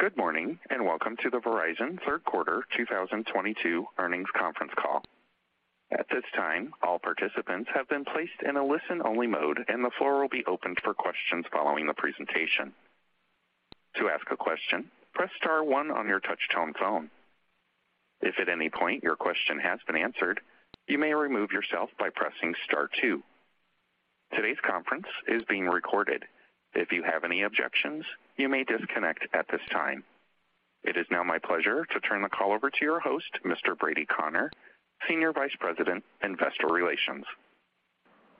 Good morning, and welcome to the Verizon third quarter 2022 earnings conference call. At this time, all participants have been placed in a listen-only mode, and the floor will be opened for questions following the presentation. To ask a question, press star one on your touch-tone phone. If at any point your question has been answered, you may remove yourself by pressing star two. Today's conference is being recorded. If you have any objections, you may disconnect at this time. It is now my pleasure to turn the call over to your host, Mr. Brady Connor, Senior Vice President, Investor Relations.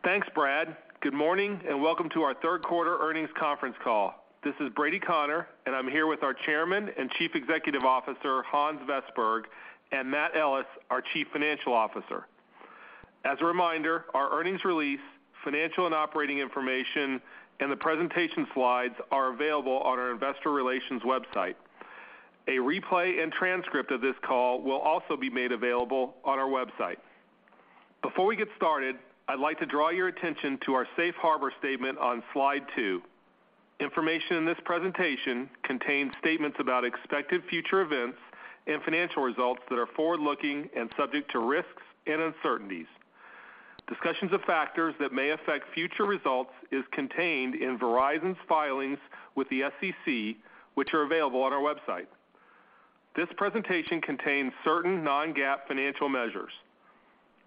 Thanks, Brad. Good morning, and welcome to our third quarter earnings conference call. This is Brady Connor, and I'm here with our Chairman and Chief Executive Officer, Hans Vestberg, and Matt Ellis, our Chief Financial Officer. As a reminder, our earnings release, financial and operating information, and the presentation slides are available on our investor relations website. A replay and transcript of this call will also be made available on our website. Before we get started, I'd like to draw your attention to our safe harbor statement on Slide two. Information in this presentation contains statements about expected future events and financial results that are forward-looking and subject to risks and uncertainties. Discussions of factors that may affect future results is contained in Verizon's filings with the SEC, which are available on our website. This presentation contains certain non-GAAP financial measures,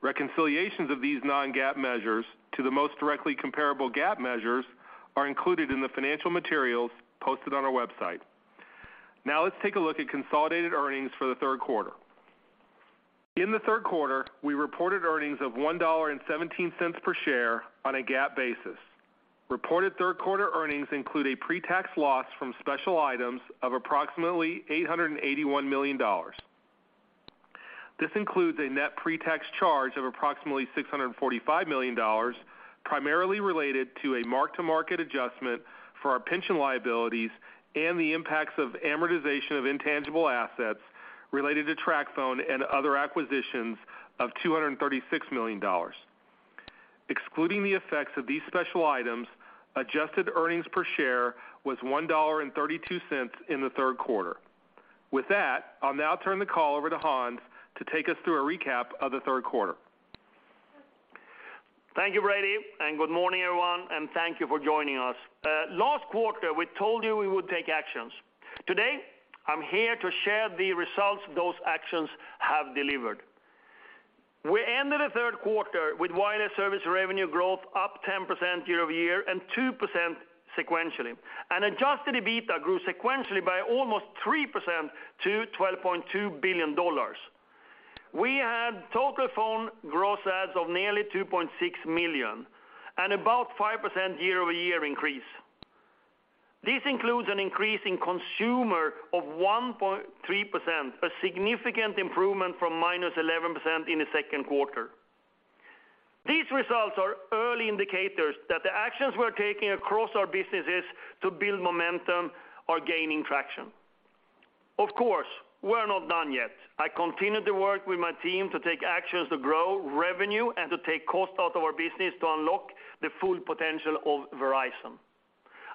Reconciliations of these non-GAAP measures to the most directly comparable GAAP measures are included in the financial materials posted on our website. Now let's take a look at consolidated earnings for the third quarter. In the third quarter, we reported earnings of $1.17 per share on a GAAP basis. Reported third-quarter earnings include a pre-tax loss from special items of approximately $881 million. This includes a net pre-tax charge of approximately $645 million, primarily related to a mark-to-market adjustment for our pension liabilities and the impacts of amortization of intangible assets related to TracFone and other acquisitions of $236 million. Excluding the effects of these special items, adjusted earnings per share was $1.32 in the third quarter. With that, I'll now turn the call over to Hans to take us through a recap of the third quarter. Thank you, Brady, and good morning, everyone, and thank you for joining us. Last quarter, we told you we would take actions. Today, I'm here to share the results those actions have delivered. We ended the third quarter with wireless service revenue growth up 10% year-over-year and 2% sequentially, and adjusted EBITDA grew sequentially by almost 3% to $12.2 billion. We had total phone gross adds of nearly 2.6 million and about 5% year-over-year increase. This includes an increase in consumer of 1.3%, a significant improvement from -11% in the second quarter. These results are early indicators that the actions we're taking across our businesses to build momentum are gaining traction. Of course, we're not done yet. I continue to work with my team to take actions to grow revenue and to take cost out of our business to unlock the full potential of Verizon.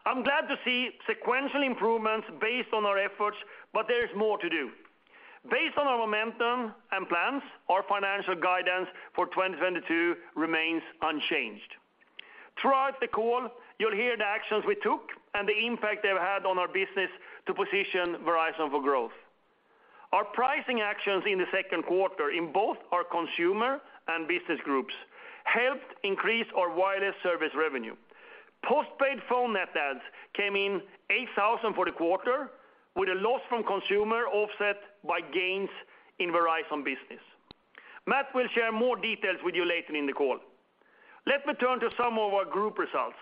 I'm glad to see sequential improvements based on our efforts, but there is more to do. Based on our momentum and plans, our financial guidance for 2022 remains unchanged. Throughout the call, you'll hear the actions we took and the impact they've had on our business to position Verizon for growth. Our pricing actions in the second quarter in both our Consumer and Business groups helped increase our wireless service revenue. Postpaid phone net adds came in 8,000 for the quarter, with a loss from Consumer offset by gains in Verizon Business. Matt will share more details with you later in the call. Let me turn to some of our group results.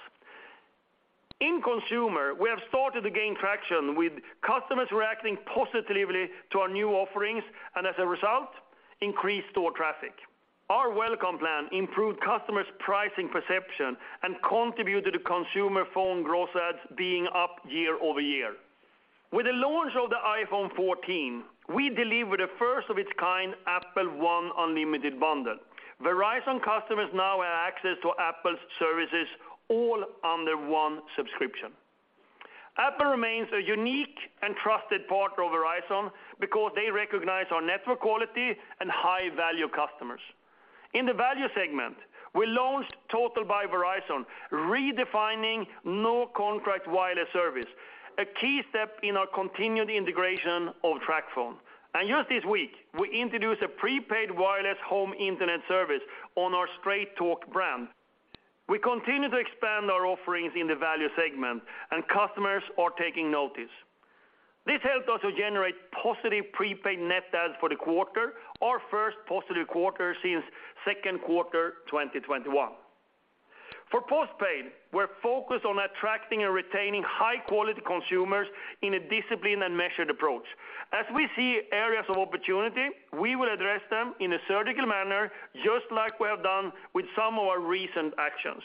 In Consumer, we have started to gain traction with customers reacting positively to our new offerings and, as a result, increased store traffic. Our Welcome Plan improved customers' pricing perception and contributed to consumer phone gross adds being up year-over-year. With the launch of the iPhone 14, we delivered a first-of-its-kind Apple One unlimited bundle. Verizon customers now have access to Apple's services all under one subscription. Apple remains a unique and trusted partner of Verizon because they recognize our network quality and high-value customers. In the value segment, we launched Total by Verizon, redefining no-contract wireless service, a key step in our continued integration of TracFone. Just this week, we introduced a prepaid wireless home internet service on our Straight Talk brand. We continue to expand our offerings in the value segment, and customers are taking notice. This helped us to generate positive prepaid net adds for the quarter, our first positive quarter since second quarter 2021. For postpaid, we're focused on attracting and retaining high-quality consumers in a disciplined and measured approach. As we see areas of opportunity, we will address them in a surgical manner, just like we have done with some of our recent actions.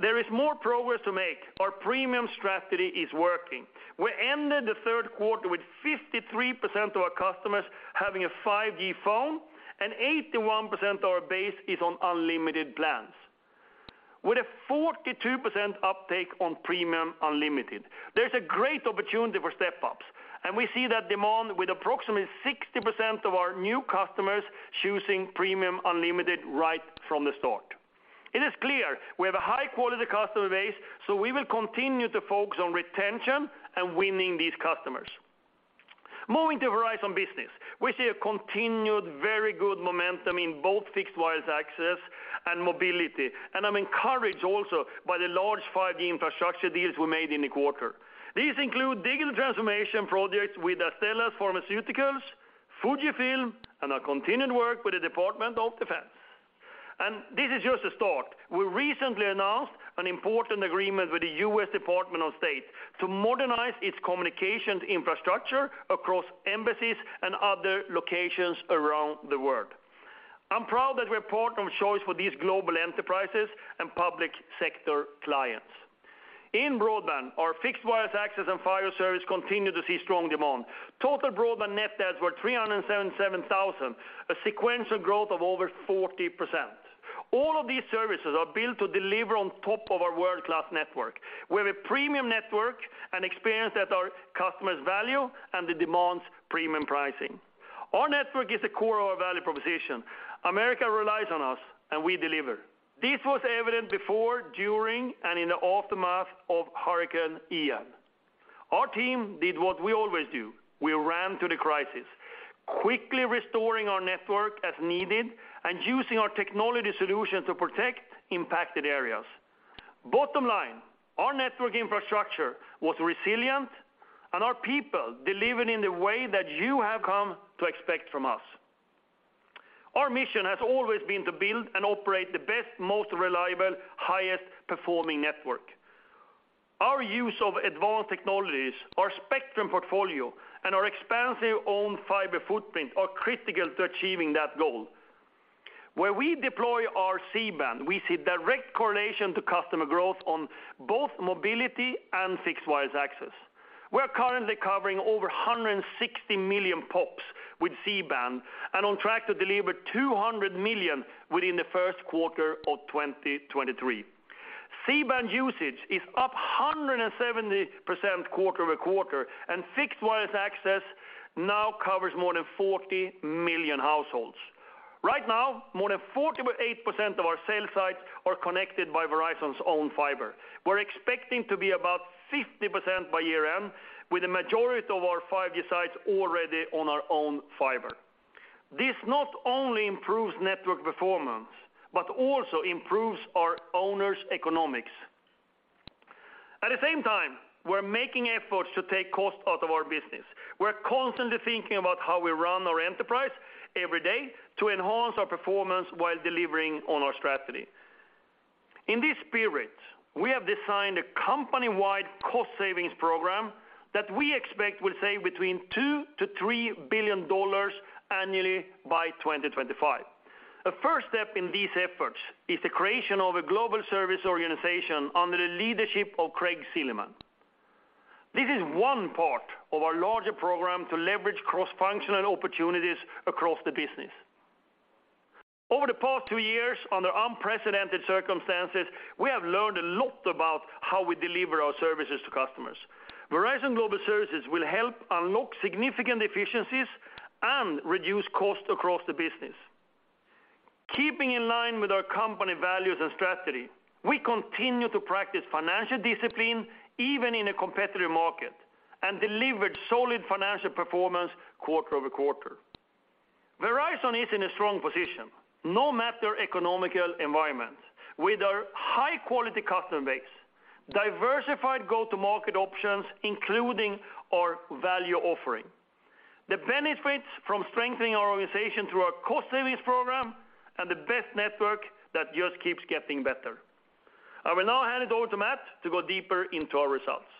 There is more progress to make. Our premium strategy is working. We ended the third quarter with 53% of our customers having a 5G phone and 81% of our base is on unlimited plans. With a 42% uptake on Premium Unlimited, there's a great opportunity for step-ups, and we see that demand with approximately 60% of our new customers choosing Premium Unlimited right from the start. It is clear we have a high-quality customer base, so we will continue to focus on retention and winning these customers. Moving to Verizon Business, we see a continued very good momentum in both fixed wireless access and mobility, and I'm encouraged also by the large 5G infrastructure deals we made in the quarter. These include digital transformation projects with Astellas Pharma Inc., Fujifilm, and our continued work with the Department of Defense. This is just a start. We recently announced an important agreement with the United States Department of State to modernize its communications infrastructure across embassies and other locations around the world. I'm proud that we're a partner of choice for these global enterprises and public sector clients. In broadband, our fixed wireless access and fiber service continue to see strong demand. Total broadband net adds were 377,000, a sequential growth of over 40%. All of these services are built to deliver on top of our world-class network. We have a premium network and experience that our customers value, and it demands premium pricing. Our network is the core of our value proposition. America relies on us, and we deliver. This was evident before, during, and in the aftermath of Hurricane Ian. Our team did what we always do. We ran to the crisis, quickly restoring our network as needed and using our technology solution to protect impacted areas. Bottom line, our network infrastructure was resilient, and our people delivered in the way that you have come to expect from us. Our mission has always been to build and operate the best, most reliable, highest-performing network. Our use of advanced technologies, our spectrum portfolio, and our expansive owned fiber footprint are critical to achieving that goal. Where we deploy our C-band, we see direct correlation to customer growth on both mobility and fixed wireless access. We're currently covering over 160 million pops with C-band and on track to deliver 200 million within the first quarter of 2023. C-band usage is up 170% quarter-over-quarter, and fixed wireless access now covers more than 40 million households. Right now, more than 48% of our cell sites are connected by Verizon's own fiber. We're expecting to be about 50% by year-end, with the majority of our 5G sites already on our own fiber. This not only improves network performance but also improves our own economics. At the same time, we're making efforts to take cost out of our business. We're constantly thinking about how we run our enterprise every day to enhance our performance while delivering on our strategy. In this spirit, we have designed a company-wide cost savings program that we expect will save between $2 billion-$3 billion annually by 2025. The first step in these efforts is the creation of a global service organization under the leadership of Craig Silliman. This is one part of our larger program to leverage cross-functional opportunities across the business. Over the past two years, under unprecedented circumstances, we have learned a lot about how we deliver our services to customers. Verizon Global Services will help unlock significant efficiencies and reduce costs across the business. Keeping in line with our company values and strategy, we continue to practice financial discipline, even in a competitive market, and delivered solid financial performance quarter-over-quarter. Verizon is in a strong position, no matter economic environment, with our high-quality customer base, diversified go-to-market options, including our value offering. The benefits from strengthening our organization through our cost savings program and the best network that just keeps getting better. I will now hand it over to Matt to go deeper into our results.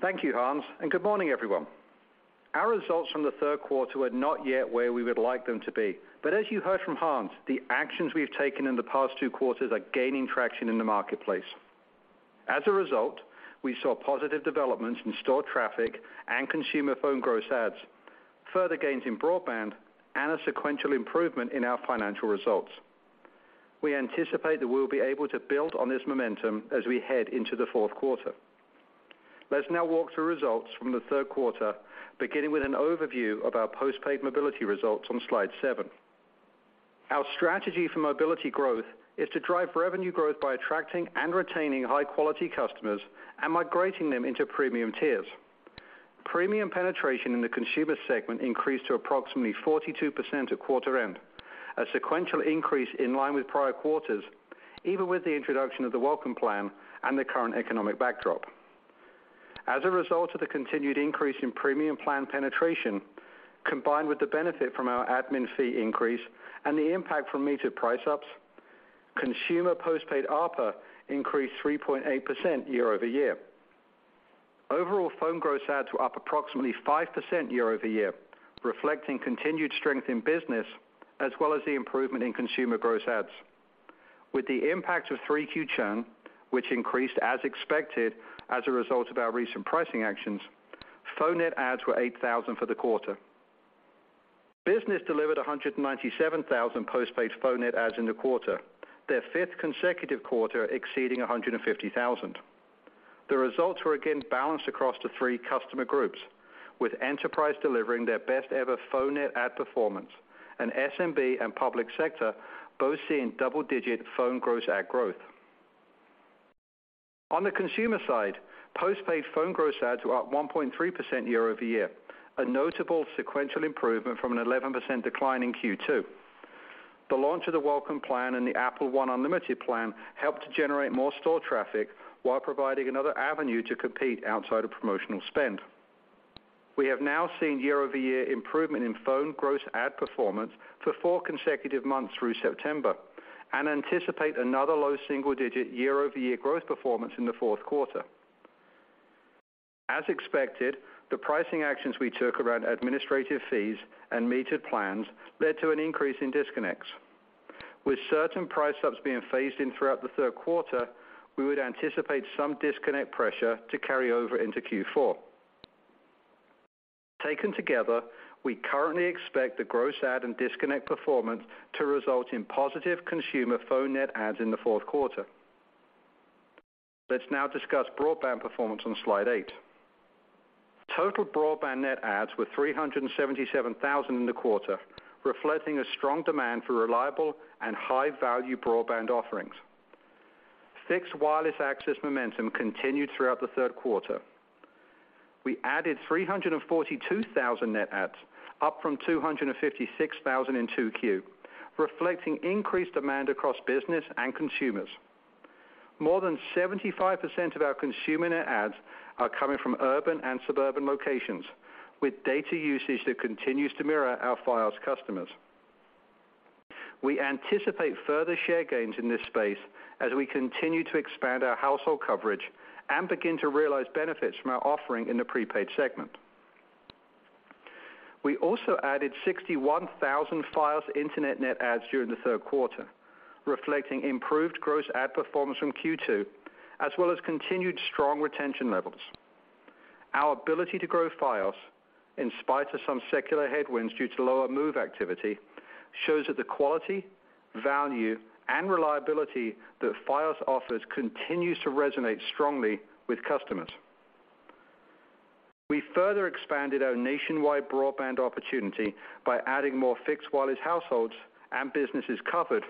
Thank you, Hans, and good morning, everyone. Our results from the third quarter are not yet where we would like them to be, but as you heard from Hans, the actions we've taken in the past two quarters are gaining traction in the marketplace. As a result, we saw positive developments in store traffic and consumer phone gross adds, further gains in broadband, and a sequential improvement in our financial results. We anticipate that we'll be able to build on this momentum as we head into the fourth quarter. Let's now walk through results from the third quarter, beginning with an overview of our postpaid mobility results on Slide seven. Our strategy for mobility growth is to drive revenue growth by attracting and retaining high-quality customers and migrating them into premium tiers. Premium penetration in the consumer segment increased to approximately 42% at quarter end, a sequential increase in line with prior quarters, even with the introduction of the Welcome Plan and the current economic backdrop. As a result of the continued increase in premium plan penetration, combined with the benefit from our admin fee increase and the impact from meter price ups, consumer postpaid ARPA increased 3.8% year-over-year. Overall phone gross adds were up approximately 5% year-over-year, reflecting continued strength in business, as well as the improvement in consumer gross adds. With the impact of 3Q churn, which increased as expected as a result of our recent pricing actions, phone net adds were 8,000 for the quarter. Business delivered 197,000 postpaid phone net adds in the quarter, their fifth consecutive quarter exceeding 150,000. The results were again balanced across the three customer groups, with enterprise delivering their best ever phone net add performance, and SMB and public sector both seeing double-digit phone gross add growth. On the consumer side, postpaid phone gross adds were up 1.3% year-over-year, a notable sequential improvement from an 11% decline in Q2. The launch of the Welcome Plan and the Apple One unlimited plan helped to generate more store traffic while providing another avenue to compete outside of promotional spend. We have now seen year-over-year improvement in phone gross add performance for four consecutive months through September and anticipate another low single-digit year-over-year growth performance in the fourth quarter. As expected, the pricing actions we took around administrative fees and metered plans led to an increase in disconnects. With certain price ups being phased in throughout the third quarter, we would anticipate some disconnect pressure to carry over into Q4. Taken together, we currently expect the gross add and disconnect performance to result in positive consumer phone net adds in the fourth quarter. Let's now discuss broadband performance on Slide eight. Total broadband net adds were 377,000 in the quarter, reflecting a strong demand for reliable and high-value broadband offerings. Fixed wireless access momentum continued throughout the third quarter. We added 342,000 net adds, up from 256,000 in 2Q, reflecting increased demand across business and consumers. More than 75% of our consumer net adds are coming from urban and suburban locations, with data usage that continues to mirror our Fios customers. We anticipate further share gains in this space as we continue to expand our household coverage and begin to realize benefits from our offering in the prepaid segment. We also added 61,000 Fios Internet net adds during the third quarter, reflecting improved gross add performance from Q2, as well as continued strong retention levels. Our ability to grow Fios, in spite of some secular headwinds due to lower move activity, shows that the quality, value and reliability that Fios offers continues to resonate strongly with customers. We further expanded our nationwide broadband opportunity by adding more fixed wireless households and businesses covered,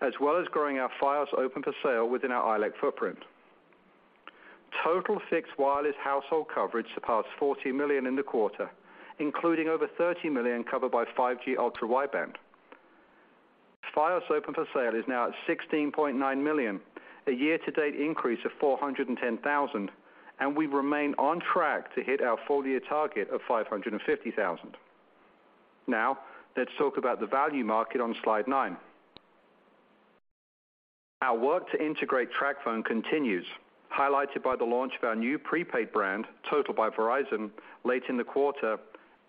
as well as growing our Fios open for sale within our ILEC footprint. Total fixed wireless household coverage surpassed 40 million in the quarter, including over 30 million covered by 5G Ultra Wideband. Fios open for sale is now at 16.9 million, a year-to-date increase of 410,000, and we remain on track to hit our full-year target of 550,000. Now, let's talk about the value market on Slide nine. Our work to integrate TracFone continues, highlighted by the launch of our new prepaid brand, Total by Verizon, late in the quarter,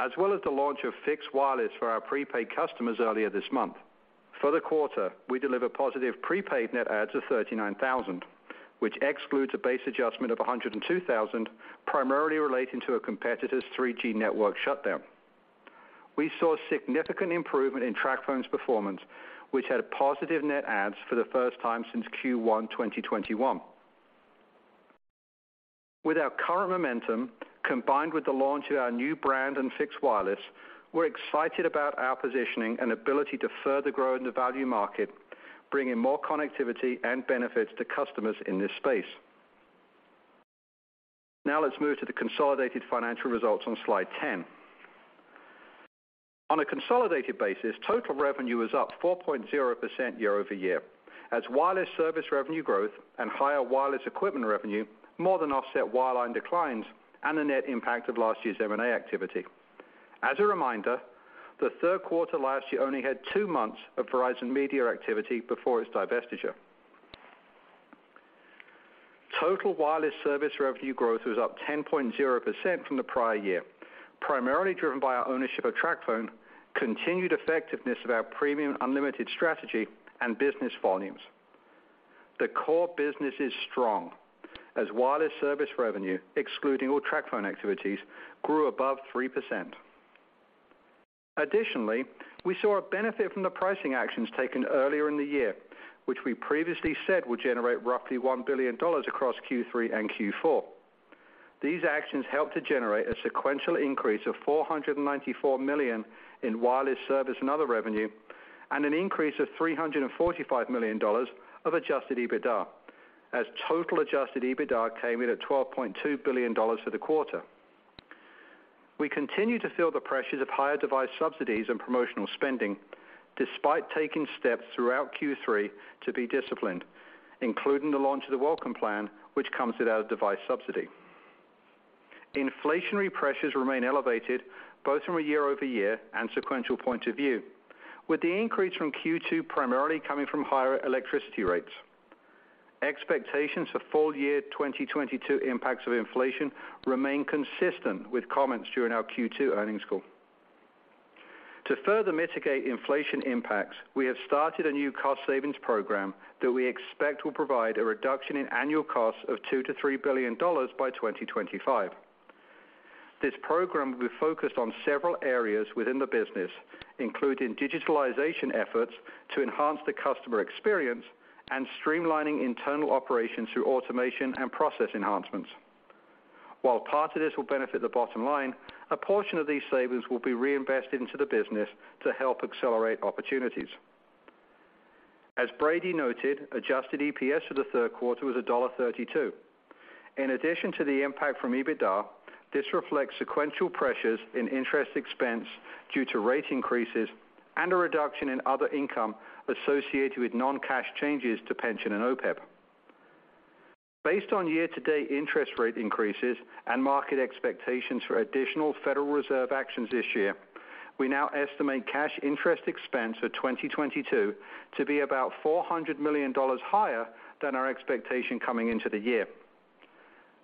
as well as the launch of fixed wireless for our prepaid customers earlier this month. For the quarter, we delivered positive prepaid net adds of 39,000, which excludes a base adjustment of 102,000, primarily relating to a competitor's 3G network shutdown. We saw significant improvement in TracFone's performance, which had positive net adds for the first time since Q1 2021. With our current momentum, combined with the launch of our new brand and fixed wireless, we're excited about our positioning and ability to further grow in the value market, bringing more connectivity and benefits to customers in this space. Now let's move to the consolidated financial results on Slide 10. On a consolidated basis, total revenue was up 4.0% year-over-year as wireless service revenue growth and higher wireless equipment revenue more than offset wireline declines and the net impact of last year's M&A activity. As a reminder, the third quarter last year only had two months of Verizon Media activity before its divestiture. Total wireless service revenue growth was up 10.0% from the prior year, primarily driven by our ownership of TracFone, continued effectiveness of our Premium Unlimited strategy and business volumes. The core business is strong as wireless service revenue, excluding all TracFone activities, grew above 3%. Additionally, we saw a benefit from the pricing actions taken earlier in the year, which we previously said would generate roughly $1 billion across Q3 and Q4. These actions helped to generate a sequential increase of $494 million in wireless service and other revenue, and an increase of $345 million of adjusted EBITDA, as total adjusted EBITDA came in at $12.2 billion for the quarter. We continue to feel the pressures of higher device subsidies and promotional spending, despite taking steps throughout Q3 to be disciplined, including the launch of the Welcome Unlimited, which comes without a device subsidy. Inflationary pressures remain elevated both from a year-over-year and sequential point of view, with the increase from Q2 primarily coming from higher electricity rates. Expectations for full-year 2022 impacts of inflation remain consistent with comments during our Q2 earnings call. To further mitigate inflation impacts, we have started a new cost savings program that we expect will provide a reduction in annual costs of $2 billion-$3 billion by 2025. This program will be focused on several areas within the business, including digitalization efforts to enhance the customer experience and streamlining internal operations through automation and process enhancements. While part of this will benefit the bottom line, a portion of these savings will be reinvested into the business to help accelerate opportunities. As Brady noted, adjusted EPS for the third quarter was $1.32. In addition to the impact from EBITDA, this reflects sequential pressures in interest expense due to rate increases and a reduction in other income associated with non-cash changes to pension and OPEB. Based on year-to-date interest rate increases and market expectations for additional Federal Reserve actions this year, we now estimate cash interest expense for 2022 to be about $400 million higher than our expectation coming into the year.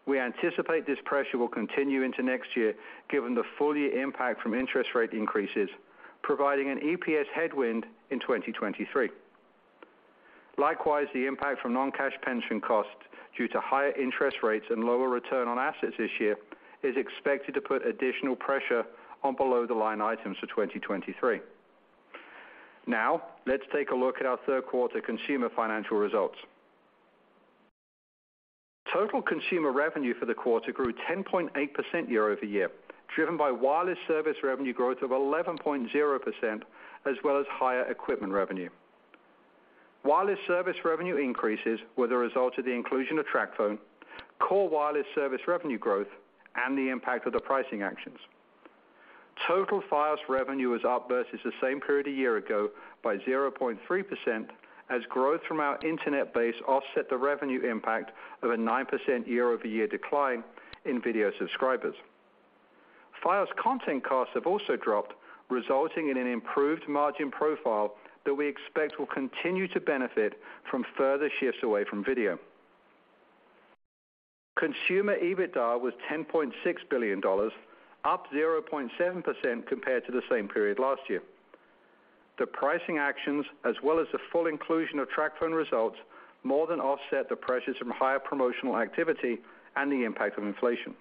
We anticipate this pressure will continue into next year given the full year impact from interest rate increases, providing an EPS headwind in 2023. Likewise, the impact from non-cash pension costs due to higher interest rates and lower return on assets this year is expected to put additional pressure on below-the-line items for 2023. Now, let's take a look at our third quarter consumer financial results. Total consumer revenue for the quarter grew 10.8% year-over-year, driven by wireless service revenue growth of 11.0% as well as higher equipment revenue. Wireless service revenue increases were the result of the inclusion of TracFone, core wireless service revenue growth, and the impact of the pricing actions. Total Fios revenue was up versus the same period a year ago by 0.3% as growth from our internet base offset the revenue impact of a 9% year-over-year decline in video subscribers. Fios content costs have also dropped, resulting in an improved margin profile that we expect will continue to benefit from further shifts away from video. Consumer EBITDA was $10.6 billion, up 0.7% compared to the same period last year. The pricing actions as well as the full inclusion of TracFone results more than offset the pressures from higher promotional activity and the impact of inflation.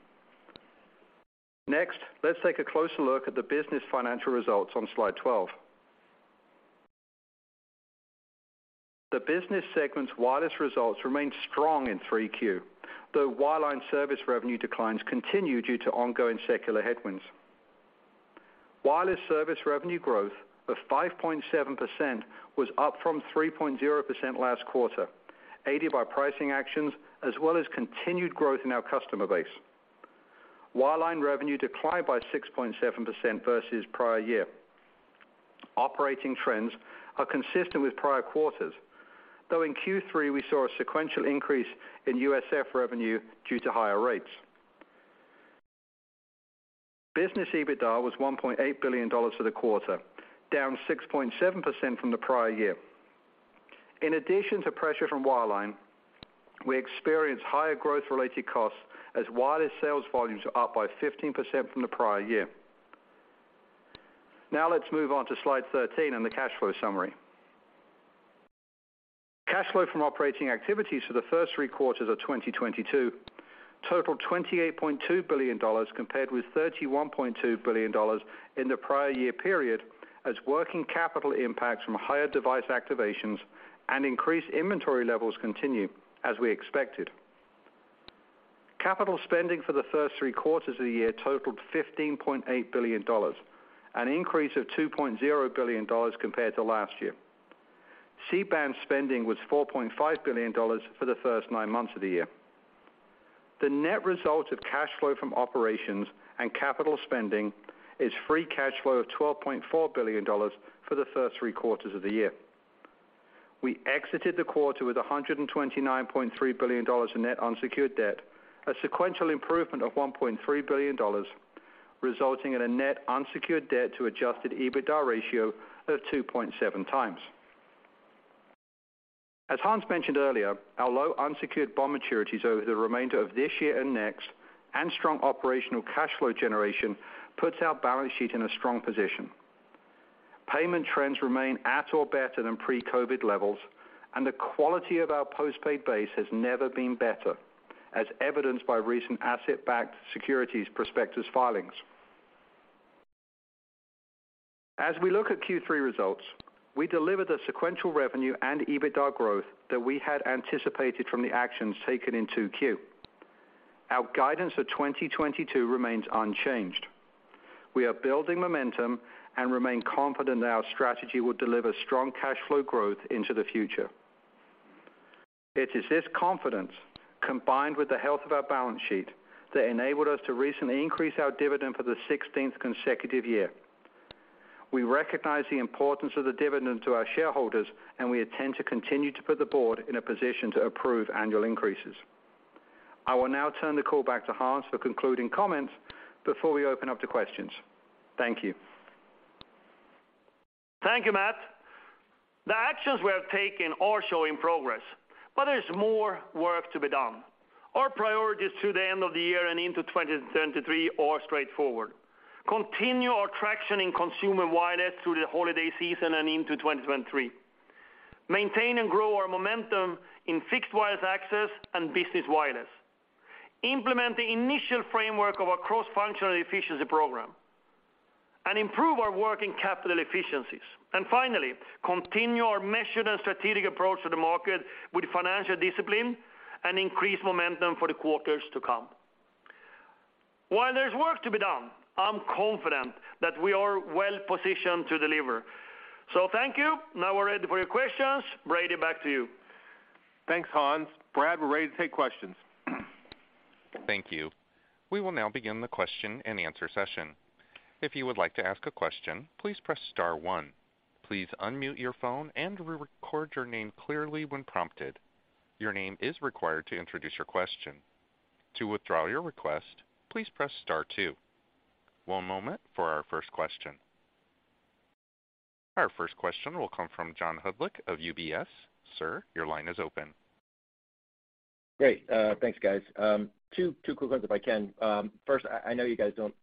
Next, let's take a closer look at the business financial results on Slide 12. The business segment's wireless results remained strong in 3Q, though wireline service revenue declines continue due to ongoing secular headwinds. Wireless service revenue growth of 5.7% was up from 3.0% last quarter, aided by pricing actions as well as continued growth in our customer base. Wireline revenue declined by 6.7% versus prior year. Operating trends are consistent with prior quarters, though in Q3 we saw a sequential increase in USF revenue due to higher rates. Business EBITDA was $1.8 billion for the quarter, down 6.7% from the prior year. In addition to pressure from wireline, we experienced higher growth-related costs as wireless sales volumes are up by 15% from the prior year. Now let's move on to Slide 13 and the cash flow summary. Cash flow from operating activities for the first three quarters of 2022 totaled $28.2 billion compared with $31.2 billion in the prior year period as working capital impacts from higher device activations and increased inventory levels continue, as we expected. Capital spending for the first three quarters of the year totaled $15.8 billion, an increase of $2.0 billion compared to last year. C-band spending was $4.5 billion for the first nine months of the year. The net result of cash flow from operations and capital spending is free cash flow of $12.4 billion for the first three quarters of the year. We exited the quarter with $129.3 billion in net unsecured debt, a sequential improvement of $1.3 billion, resulting in a net unsecured debt to adjusted EBITDA ratio of 2.7 times. As Hans mentioned earlier, our low unsecured bond maturities over the remainder of this year and next, and strong operational cash flow generation puts our balance sheet in a strong position. Payment trends remain at or better than pre-COVID levels, and the quality of our postpaid base has never been better, as evidenced by recent asset-backed securities prospectus filings. As we look at Q3 results, we delivered a sequential revenue and EBITDA growth that we had anticipated from the actions taken in 2Q. Our guidance for 2022 remains unchanged. We are building momentum and remain confident that our strategy will deliver strong cash flow growth into the future. It is this confidence, combined with the health of our balance sheet, that enabled us to recently increase our dividend for the sixteenth consecutive year. We recognize the importance of the dividend to our shareholders, and we intend to continue to put the board in a position to approve annual increases. I will now turn the call back to Hans for concluding comments before we open up to questions. Thank you. Thank you, Matt. The actions we have taken are showing progress, but there's more work to be done. Our priorities through the end of the year and into 2023 are straightforward. Continue our traction in consumer wireless through the holiday season and into 2023. Maintain and grow our momentum in fixed wireless access and business wireless. Implement the initial framework of our cross-functional efficiency program, and improve our working capital efficiencies. Finally, continue our measured and strategic approach to the market with financial discipline and increase momentum for the quarters to come. While there's work to be done, I'm confident that we are well-positioned to deliver. Thank you. Now we're ready for your questions. Brady, back to you. Thanks, Hans. Brad, we're ready to take questions. Thank you. We will now begin the question-and-answer session. If you would like to ask a question, please press star one. Please unmute your phone and re-record your name clearly when prompted. Your name is required to introduce your question. To withdraw your request, please press star two. One moment for our first question. Our first question will come from John Hodulik of UBS. Sir, your line is open. Great, thanks, guys. Two quick ones if I can. First, I know you guys don't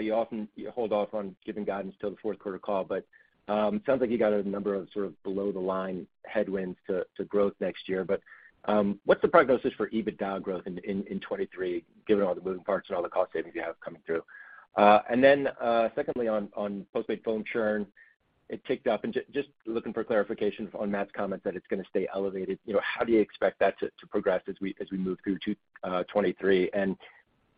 you often hold off on giving guidance till the fourth quarter call, but sounds like you got a number of sort of below the line headwinds to growth next year. What's the prognosis for EBITDA growth in 2023, given all the moving parts and all the cost savings you have coming through? And then, secondly, on postpaid phone churn, it ticked up. Just looking for clarification on Matt's comment that it's gonna stay elevated. You know, how do you expect that to progress as we move through 2023?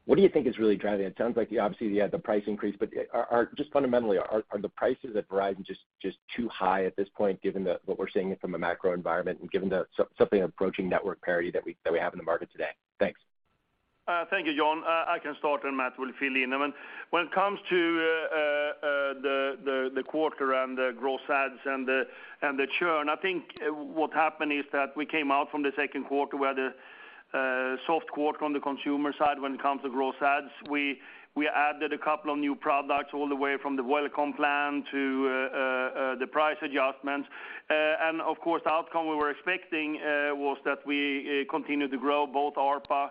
What do you think is really driving it? It sounds like you obviously had the price increase, but are. Just fundamentally, are the prices at Verizon just too high at this point, given what we're seeing from a macro environment and given something approaching network parity that we have in the market today? Thanks. Thank you, John. I can start, and Matt will fill in. When it comes to the quarter and the gross adds and the churn, I think what happened is that we came out from the second quarter with a soft quarter on the consumer side when it comes to gross adds. We added a couple of new products all the way from the Welcome Unlimited to the price adjustments. Of course, the outcome we were expecting was that we continued to grow both ARPA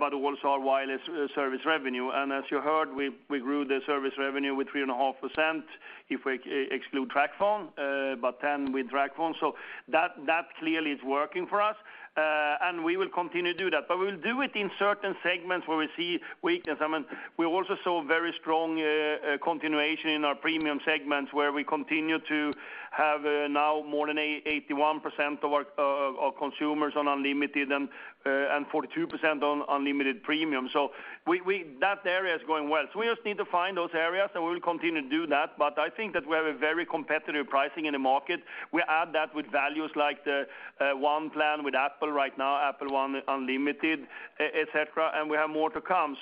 but also our wireless service revenue. As you heard, we grew the service revenue with 3.5% if we exclude TracFone, but 10% with TracFone. That clearly is working for us. We will continue to do that. We will do it in certain segments where we see weakness. I mean, we also saw very strong continuation in our premium segments, where we continue to have now more than 81% of our consumers on Unlimited and 42% on Premium Unlimited. That area is going well. We just need to find those areas, and we will continue to do that. I think that we have very competitive pricing in the market. We add that with values like the One plan with Apple right now, Apple One Unlimited, et cetera, and we have more to come.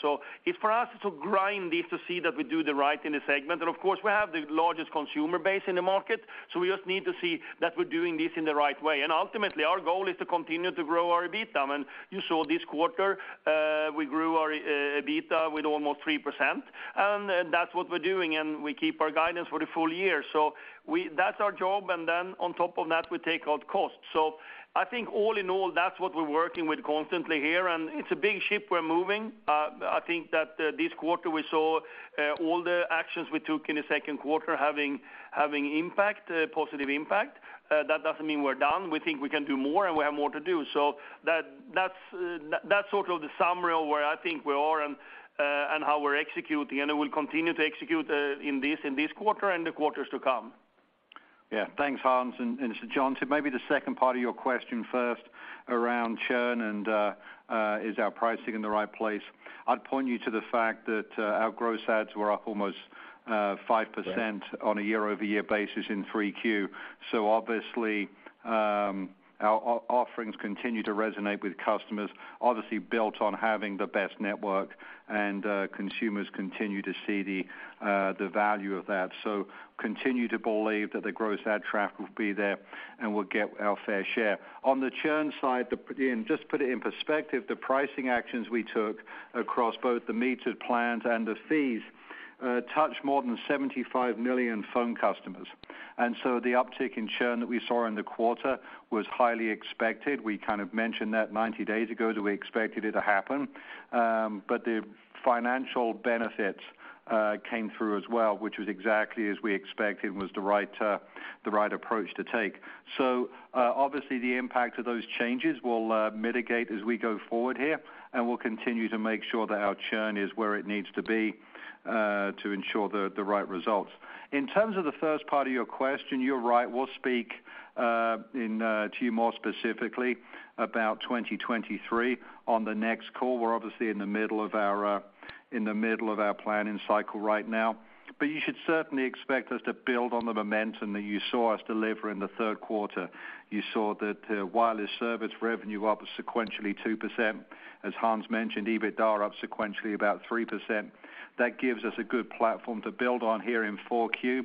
It's for us to grind this to see that we do the right in the segment. Of course, we have the largest consumer base in the market, so we just need to see that we're doing this in the right way. Ultimately, our goal is to continue to grow our EBITDA. I mean, you saw this quarter, we grew our EBITDA with almost 3%, and that's what we're doing, and we keep our guidance for the full year. That's our job, and then on top of that, we take out costs. I think all in all, that's what we're working with constantly here, and it's a big ship we're moving. I think that this quarter, we saw all the actions we took in the second quarter having positive impact. That doesn't mean we're done. We think we can do more, and we have more to do. That's sort of the summary of where I think we are and how we're executing, and we'll continue to execute in this quarter and the quarters to come. Yeah. Thanks, Hans. John, to maybe the second part of your question first around churn and is our pricing in the right place. I'd point you to the fact that our gross adds were up almost 5%- Yeah On a year-over-year basis in 3Q. Obviously, our offerings continue to resonate with customers, obviously built on having the best network, and consumers continue to see the value of that. Continue to believe that the gross add traffic will be there, and we'll get our fair share. On the churn side, just put it in perspective, the pricing actions we took across both the metered plans and the fees touched more than 75 million phone customers. The uptick in churn that we saw in the quarter was highly expected. We kind of mentioned that 90 days ago that we expected it to happen. The financial benefits came through as well, which was exactly as we expected, the right approach to take. Obviously, the impact of those changes will mitigate as we go forward here, and we'll continue to make sure that our churn is where it needs to be to ensure the right results. In terms of the first part of your question, you're right. We'll speak to you more specifically about 2023 on the next call. We're obviously in the middle of our planning cycle right now. You should certainly expect us to build on the momentum that you saw us deliver in the third quarter. You saw that wireless service revenue up sequentially 2%. As Hans mentioned, EBITDA up sequentially about 3%. That gives us a good platform to build on here in 4Q,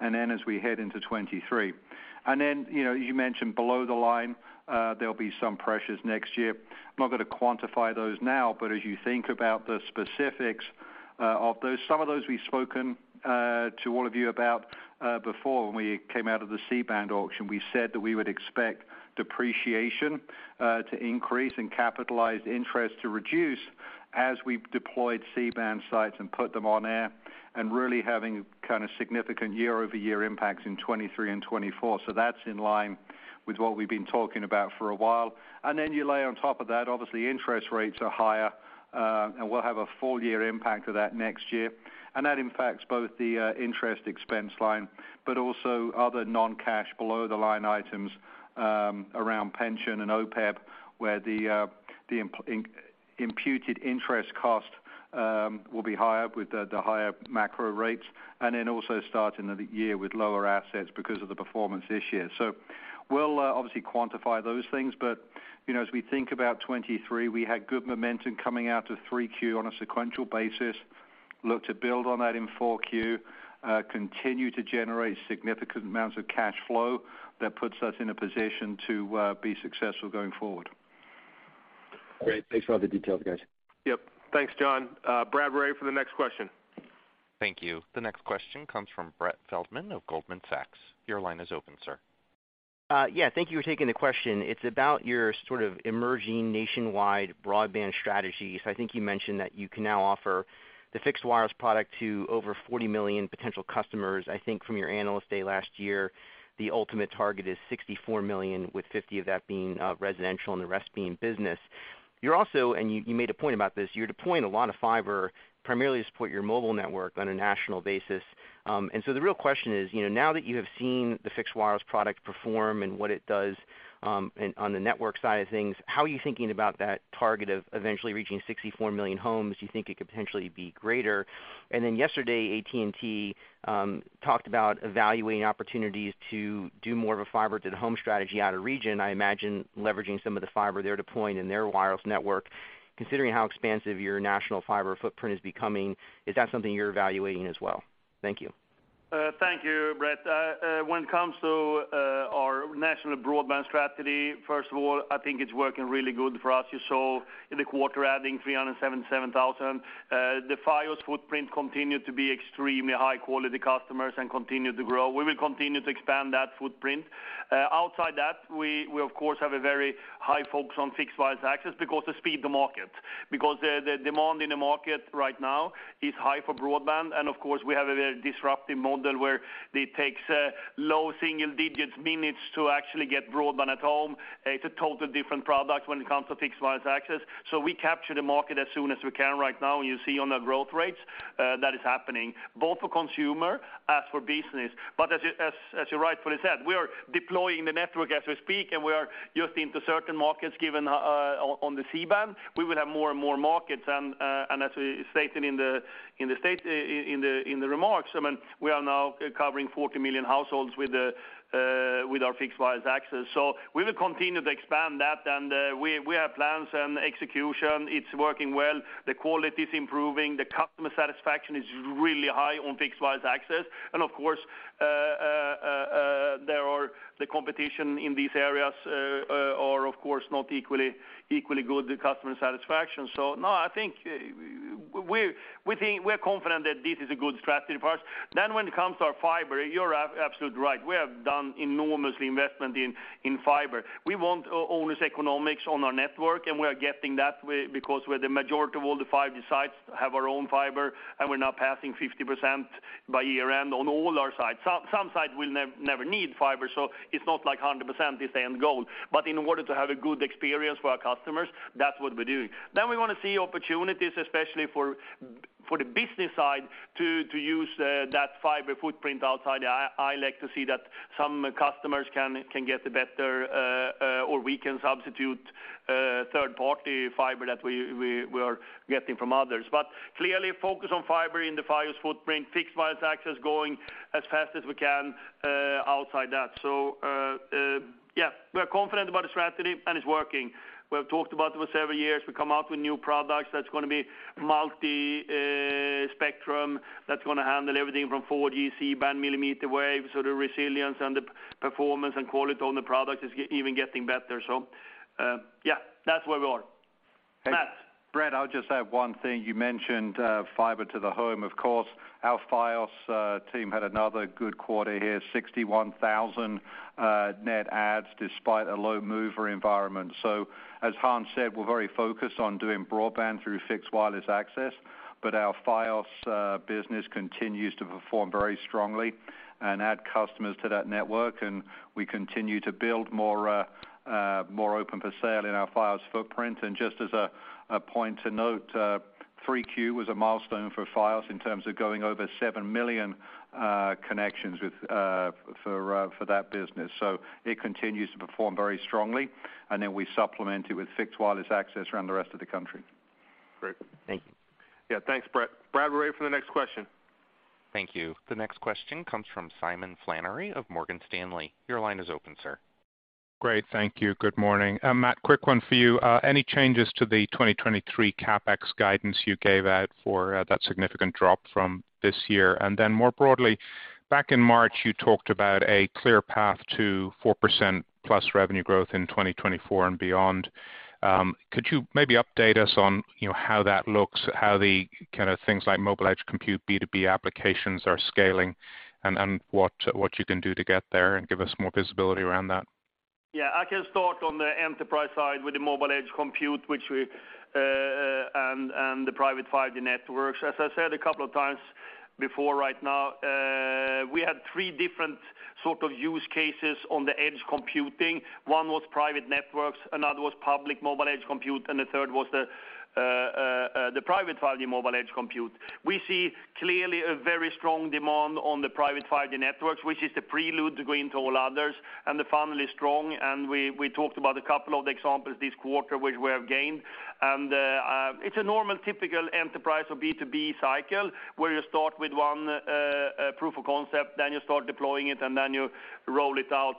and then as we head into 2023. You know, you mentioned below the line, there'll be some pressures next year. I'm not gonna quantify those now, but as you think about the specifics of those, some of those we've spoken to all of you about before when we came out of the C-band auction. We said that we would expect depreciation to increase and capitalized interest to reduce as we've deployed C-band sites and put them on air and really having kind of significant year-over-year impacts in 2023 and 2024. That's in line with what we've been talking about for a while. You layer on top of that, obviously, interest rates are higher, and we'll have a full year impact of that next year. That impacts both the interest expense line, but also other non-cash below-the-line items around pension and OPEB, where the imputed interest cost will be higher with the higher macro rates, and then also starting of the year with lower assets because of the performance this year. We'll obviously quantify those things. You know, as we think about 2023, we had good momentum coming out of 3Q on a sequential basis. Look to build on that in 4Q, continue to generate significant amounts of cash flow that puts us in a position to be successful going forward. Great. Thanks for all the details, guys. Yep. Thanks, John. Brad, we're ready for the next question. Thank you. The next question comes from Brett Feldman of Goldman Sachs. Your line is open, sir. Yeah, thank you for taking the question. It's about your sort of emerging nationwide broadband strategy. I think you mentioned that you can now offer the fixed wireless product to over 40 million potential customers. I think from your Analyst Day last year, the ultimate target is 64 million, with 50 million of that being residential and the rest being business. You're also deploying a lot of fiber primarily to support your mobile network on a national basis. The real question is, you know, now that you have seen the fixed wireless product perform and what it does, and on the network side of things, how are you thinking about that target of eventually reaching 64 million homes? Do you think it could potentially be greater? Yesterday, AT&T talked about evaluating opportunities to do more of a fiber to the home strategy out of region. I imagine leveraging some of the fiber they're deploying in their wireless network. Considering how expansive your national fiber footprint is becoming, is that something you're evaluating as well? Thank you. Thank you, Brett. When it comes to our national broadband strategy, first of all, I think it's working really good for us. You saw in the quarter adding 377,000. The Fios footprint continued to be extremely high quality customers and continued to grow. We will continue to expand that footprint. Outside that, we of course have a very high focus on fixed wireless access because the speed to market. Because the demand in the market right now is high for broadband. Of course, we have a very disruptive model where it takes low single digits minutes to actually get broadband at home. It's a totally different product when it comes to fixed wireless access. We capture the market as soon as we can right now, and you see on the growth rates that is happening both for consumer as for business. As you rightfully said, we are deploying the network as we speak, and we are just into certain markets given on the C-band. We will have more and more markets. As we stated in the remarks, I mean, we are now covering 40 million households with our fixed wireless access. We will continue to expand that. We have plans and execution. It's working well. The quality is improving. The customer satisfaction is really high on fixed wireless access. Of course, there are the competition in these areas are of course not equally good customer satisfaction. No, I think we think we're confident that this is a good strategy for us. When it comes to our fiber, you're absolutely right. We have done enormous investment in fiber. We want owner's economics on our network, and we are getting that because where the majority of all the fiber sites have our own fiber, and we're now passing 50% by year-end on all our sites. Some sites will never need fiber, so it's not like 100% is the end goal. But in order to have a good experience for our customers, that's what we're doing. We want to see opportunities, especially for the business side, to use that fiber footprint outside. I like to see that some customers can get a better or we can substitute third-party fiber that we are getting from others. Clearly focus on fiber in the Fios footprint, fixed wireless access going as fast as we can outside that. Yeah, we're confident about the strategy and it's working. We have talked about it for several years. We come out with new products that's gonna be multi spectrum, that's gonna handle everything from 4G, C-band, millimeter wave. The resilience and the performance and quality on the product is even getting better. Yeah, that's where we are. Matt. Brett, I'll just add one thing. You mentioned fiber to the home. Of course, our Fios team had another good quarter here, 61,000 net adds despite a low mover environment. As Hans said, we're very focused on doing broadband through fixed wireless access, but our Fios business continues to perform very strongly and add customers to that network, and we continue to build more open for sale in our Fios footprint. Just as a point to note, 3Q was a milestone for Fios in terms of going over 7 million connections for that business. It continues to perform very strongly. Then we supplement it with fixed wireless access around the rest of the country. Great. Thank you. Yeah. Thanks, Brett. Brad, we're ready for the next question. Thank you. The next question comes from Simon Flannery of Morgan Stanley. Your line is open, sir. Great. Thank you. Good morning. Matt, quick one for you. Any changes to the 2023 CapEx guidance you gave out for that significant drop from this year? Then more broadly, back in March, you talked about a clear path to 4%+ revenue growth in 2024 and beyond. Could you maybe update us on, you know, how that looks, how the kind of things like mobile edge compute B2B applications are scaling and what you can do to get there and give us more visibility around that? Yeah. I can start on the enterprise side with the mobile edge compute and the private 5G networks. As I said a couple of times before right now, we had three different sort of use cases on the edge computing. One was private networks, another was public mobile edge compute, and the third was the private virtual mobile edge compute. We see clearly a very strong demand on the private 5G networks, which is the prelude to going to all others, and the family is strong, and we talked about a couple of the examples this quarter which we have gained. It's a normal typical enterprise or B2B cycle where you start with one proof of concept, then you start deploying it, and then you roll it out.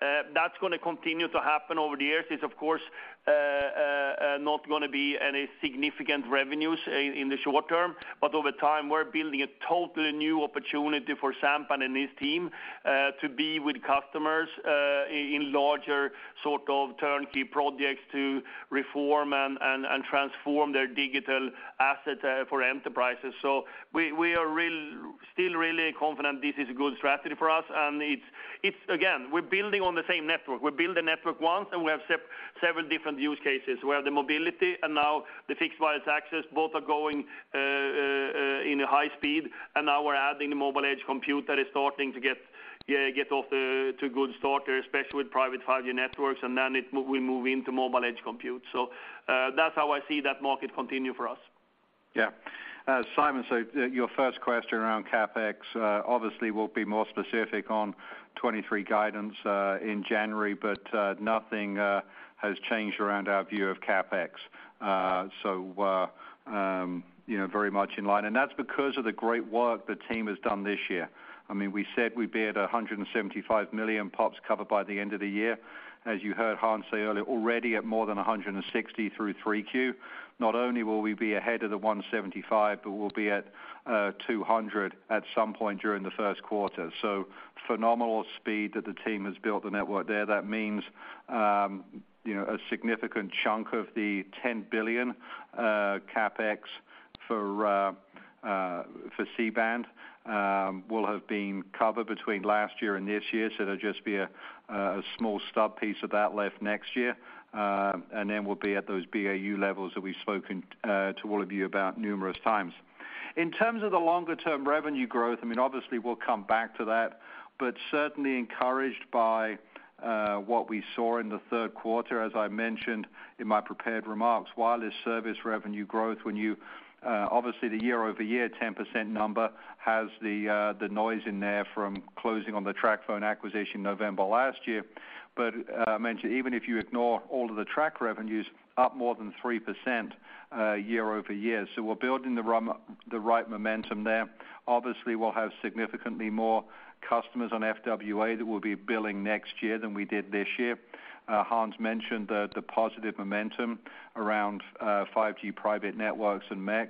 That's gonna continue to happen over the years. It's of course not gonna be any significant revenues in the short term, but over time, we're building a totally new opportunity for Sampath and his team to be with customers in larger sort of turnkey projects to reform and transform their digital assets for enterprises. We are still really confident this is a good strategy for us. It's again, we're building on the same network. We build the network once, and we have several different use cases where the mobility and now the fixed wireless access both are going in a high speed. Now we're adding the mobile edge compute that is starting to get off to a good start, especially with private 5G networks. Then we move into mobile edge compute. That's how I see that market continue for us. Yeah. Simon, so your first question around CapEx, obviously we'll be more specific on 2023 guidance in January, but nothing has changed around our view of CapEx. You know, very much in line. That's because of the great work the team has done this year. I mean, we said we'd be at 175 million POPs covered by the end of the year. As you heard Hans say earlier, already at more than 160 million through 3Q. Not only will we be ahead of the 175 million, but we'll be at 200 million at some point during the first quarter. Phenomenal speed that the team has built the network there. That means, you know, a significant chunk of the $10 billion CapEx for C-band will have been covered between last year and this year. There'll be a small stub piece of that left next year. We'll be at those BAU levels that we've spoken to all of you about numerous times. In terms of the longer term revenue growth, I mean, obviously we'll come back to that, but certainly encouraged by what we saw in the third quarter. As I mentioned in my prepared remarks, wireless service revenue growth, when you obviously the year-over-year 10% number has the noise in there from closing on the TracFone acquisition November last year. I mentioned even if you ignore all of the TracFone revenues, up more than 3% year-over-year. We're building the right momentum there. Obviously, we'll have significantly more customers on FWA that we'll be billing next year than we did this year. Hans mentioned the positive momentum around 5G private networks and MEC.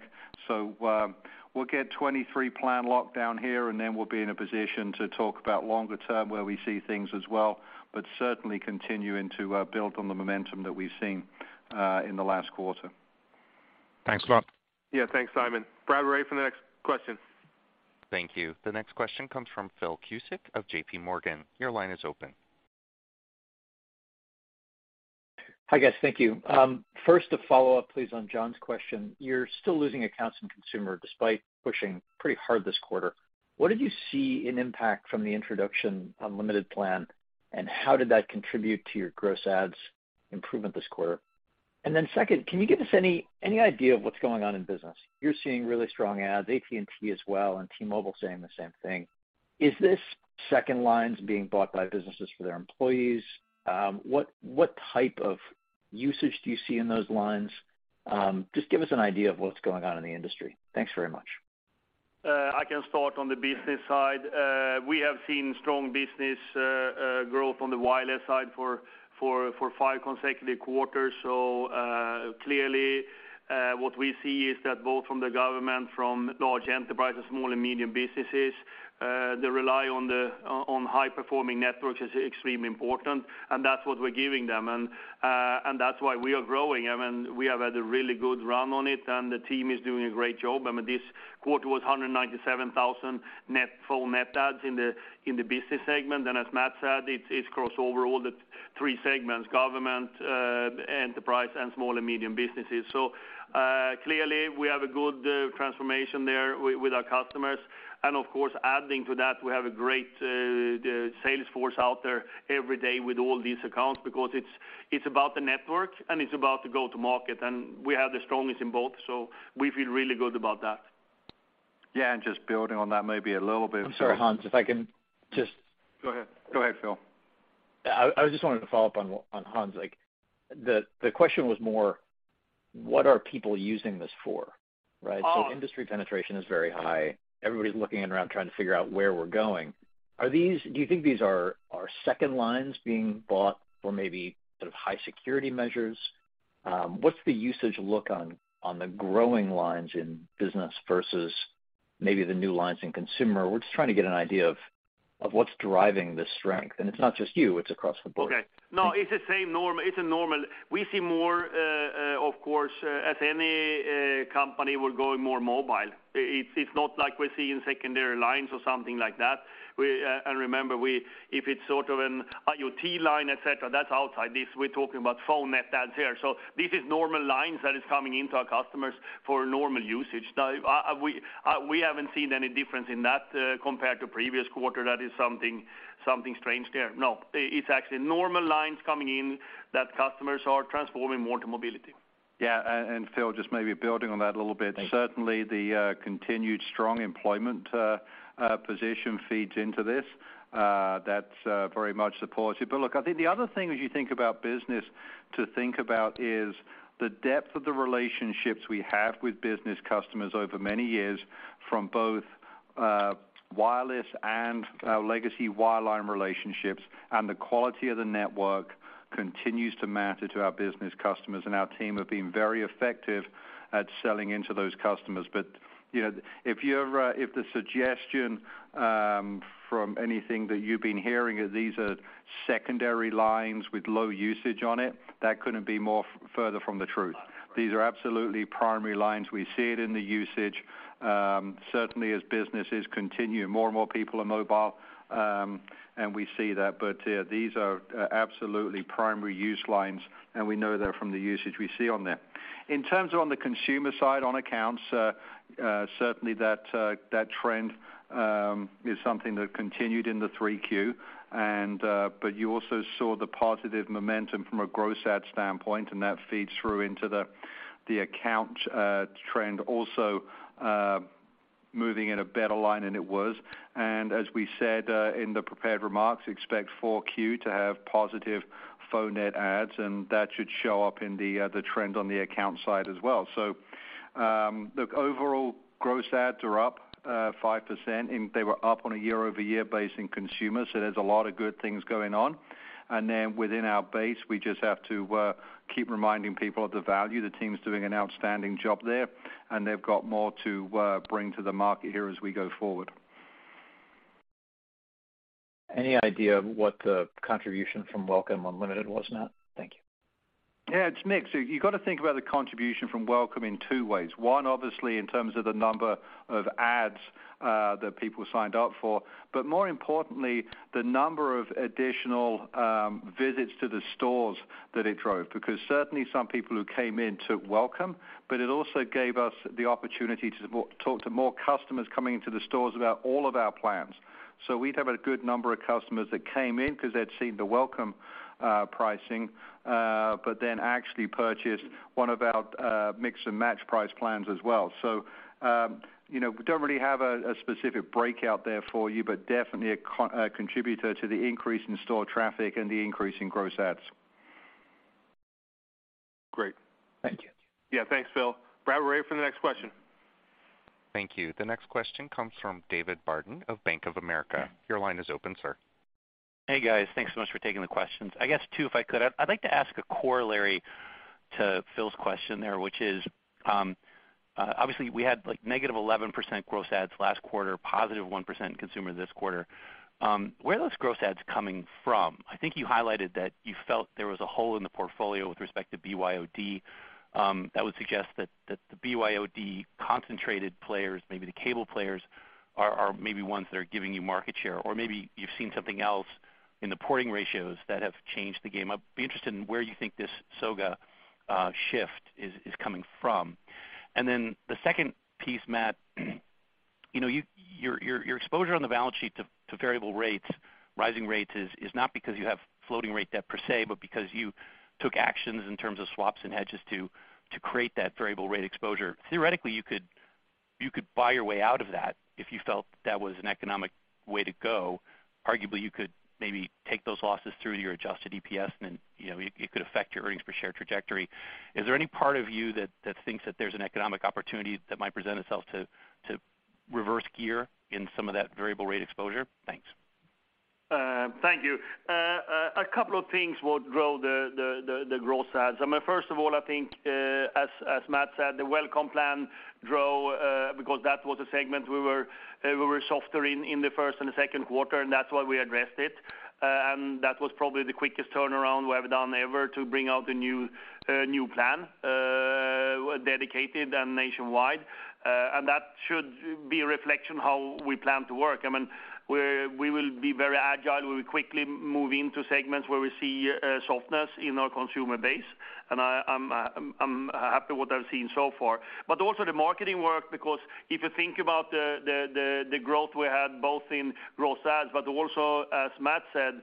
We'll get 2023 plan locked down here, and then we'll be in a position to talk about longer-term where we see things as well, but certainly continuing to build on the momentum that we've seen in the last quarter. Thanks a lot. Yeah, thanks, Simon. Operator, for the next question. Thank you. The next question comes from Philip Cusick of JPMorgan. Your line is open. Hi, guys. Thank you. First a follow-up, please, on John's question. You're still losing accounts in consumer despite pushing pretty hard this quarter. What did you see an impact from the introduction unlimited plan, and how did that contribute to your gross adds improvement this quarter? Then second, can you give us any idea of what's going on in business? You're seeing really strong adds, AT&T as well, and T-Mobile saying the same thing. Is this second lines being bought by businesses for their employees? What type of usage do you see in those lines? Just give us an idea of what's going on in the industry. Thanks very much. I can start on the business side. We have seen strong business growth on the wireless side for five consecutive quarters. Clearly, what we see is that both from the government, from large enterprises, small and medium businesses, they rely on the high-performing networks is extremely important, and that's what we're giving them. That's why we are growing. I mean, we have had a really good run on it, and the team is doing a great job. I mean, this quarter was 197,000 net phone net adds in the business segment. As Matt said, it's crossed over all three segments, government, enterprise, and small and medium businesses. Clearly, we have a good transformation there with our customers. Of course, adding to that, we have a great sales force out there every day with all these accounts because it's about the network and it's about the go-to-market, and we have the strongest in both. We feel really good about that. Yeah, just building on that maybe a little bit. I'm sorry, Hans, if I can just. Go ahead, Phil. I just wanted to follow up on Hans. Like, the question was more what are people using this for, right? Oh. Industry penetration is very high. Everybody's looking around trying to figure out where we're going. Do you think these are second lines being bought for maybe sort of high security measures? What's the usage look like on the growing lines in business versus maybe the new lines in consumer? We're just trying to get an idea of what's driving the strength. It's not just you, it's across the board. Okay. No, it's the same norm. We see more, of course, as any company, we're going more mobile. It's not like we're seeing secondary lines or something like that. Remember, if it's sort of an IoT line, et cetera, that's outside this. We're talking about phone net adds here. This is normal lines that is coming into our customers for normal usage. Now, we haven't seen any difference in that, compared to previous quarter that is something strange there. No, it's actually normal lines coming in that customers are transforming more to mobility. Yeah. Phil, just maybe building on that a little bit. Thank you. Certainly, the continued strong employment position feeds into this. That very much supports it. Look, I think the other thing as you think about business to think about is the depth of the relationships we have with business customers over many years from both wireless and legacy wireline relationships, and the quality of the network continues to matter to our business customers, and our team have been very effective at selling into those customers. You know, if the suggestion from anything that you've been hearing are these secondary lines with low usage on it, that couldn't be more further from the truth. These are absolutely primary lines. We see it in the usage, certainly as businesses continue, more and more people are mobile, and we see that. Yeah, these are absolutely primary use lines, and we know they're from the usage we see on there. In terms of the consumer side on accounts, certainly that trend is something that continued in the 3Q. You also saw the positive momentum from a gross add standpoint, and that feeds through into the account trend also moving in a better line than it was. As we said in the prepared remarks, expect 4Q to have positive phone net adds, and that should show up in the trend on the account side as well. Look, overall gross adds are up 5%, and they were up on a year-over-year basis in consumer, so there's a lot of good things going on. Within our base, we just have to keep reminding people of the value. The team's doing an outstanding job there, and they've got more to bring to the market here as we go forward. Any idea of what the contribution from Welcome Unlimited was, Matt? Thank you. Yeah, it's mixed. You've got to think about the contribution from Welcome in two ways. One, obviously, in terms of the number of adds that people signed up for, but more importantly, the number of additional visits to the stores that it drove. Because certainly some people who came in took Welcome, but it also gave us the opportunity to talk to more customers coming into the stores about all of our plans. We'd have a good number of customers that came in because they'd seen the Welcome pricing, but then actually purchased one of our mix and match price plans as well. You know, we don't really have a specific breakout there for you, but definitely a contributor to the increase in store traffic and the increase in gross adds. Great. Thank you. Yeah. Thanks, Phil. Brad, we're ready for the next question. Thank you. The next question comes from David Barden of Bank of America. Your line is open, sir. Hey, guys. Thanks so much for taking the questions. I guess two, if I could. I'd like to ask a corollary to Phil's question there, which is, obviously, we had like negative 11% gross adds last quarter, positive 1% consumer this quarter. Where are those gross adds coming from? I think you highlighted that you felt there was a hole in the portfolio with respect to BYOD. That would suggest that the BYOD-concentrated players, maybe the cable players, are maybe ones that are giving you market share, or maybe you've seen something else in the porting ratios that have changed the game. I'd be interested in where you think this SOGA shift is coming from. Then the second piece, Matt, you know, your exposure on the balance sheet to variable rates, rising rates is not because you have floating rate debt per se, but because you took actions in terms of swaps and hedges to create that variable rate exposure. Theoretically, you could buy your way out of that if you felt that was an economic way to go. Arguably, you could maybe take those losses through to your adjusted EPS, and then, you know, it could affect your earnings per share trajectory. Is there any part of you that thinks that there's an economic opportunity that might present itself to reverse gear in some of that variable rate exposure? Thanks. Thank you. A couple of things will grow the gross adds. I mean, first of all, I think, as Matt said, the Welcome Plan grew, because that was a segment we were softer in the first and the second quarter, and that's why we addressed it. That was probably the quickest turnaround we have done ever to bring out a new plan, dedicated and nationwide. That should be a reflection of how we plan to work. I mean, we will be very agile. We will quickly move into segments where we see softness in our consumer base, and I'm happy with what I'm seeing so far. Also the marketing work, because if you think about the growth we had both in gross adds, but also, as Matt said,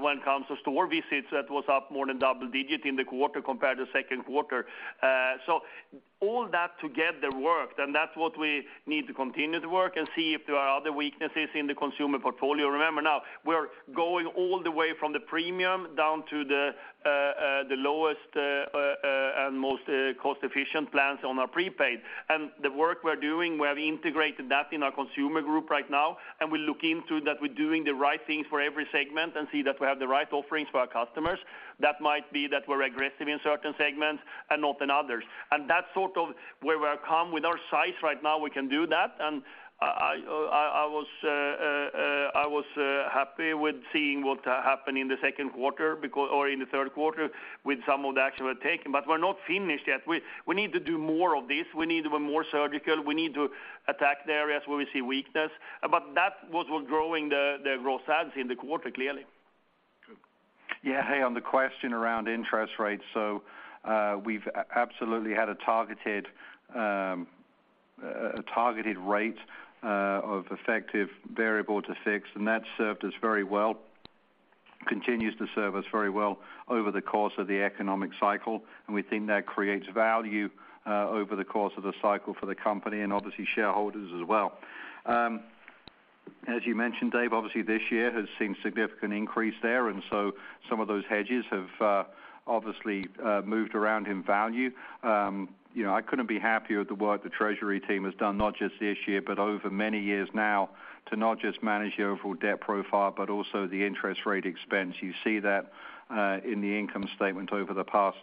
when it comes to store visits, that was up more than double digit in the quarter compared to second quarter. All that together worked, and that's what we need to continue to work and see if there are other weaknesses in the consumer portfolio. Remember, now we're going all the way from the premium down to the lowest and most cost-efficient plans on our prepaid. The work we're doing, we have integrated that in our consumer group right now, and we look into that we're doing the right things for every segment and see that we have the right offerings for our customers. That might be that we're aggressive in certain segments and not in others. That's sort of where we've come. With our size right now, we can do that. I was happy with seeing what happened in the second quarter, or in the third quarter with some of the action we're taking. We're not finished yet. We need to do more of this. We need to be more surgical. We need to attack the areas where we see weakness. That was what growing the gross adds in the quarter, clearly. Yeah. Hey, on the question around interest rates, we've absolutely had a targeted rate of effective variable to fixed, and that served us very well, continues to serve us very well over the course of the economic cycle, and we think that creates value over the course of the cycle for the company and obviously shareholders as well. As you mentioned, Dave, this year has seen significant increase there, and so some of those hedges have moved around in value. You know, I couldn't be happier with the work the treasury team has done, not just this year, but over many years now to not just manage the overall debt profile, but also the interest rate expense. You see that in the income statement over the past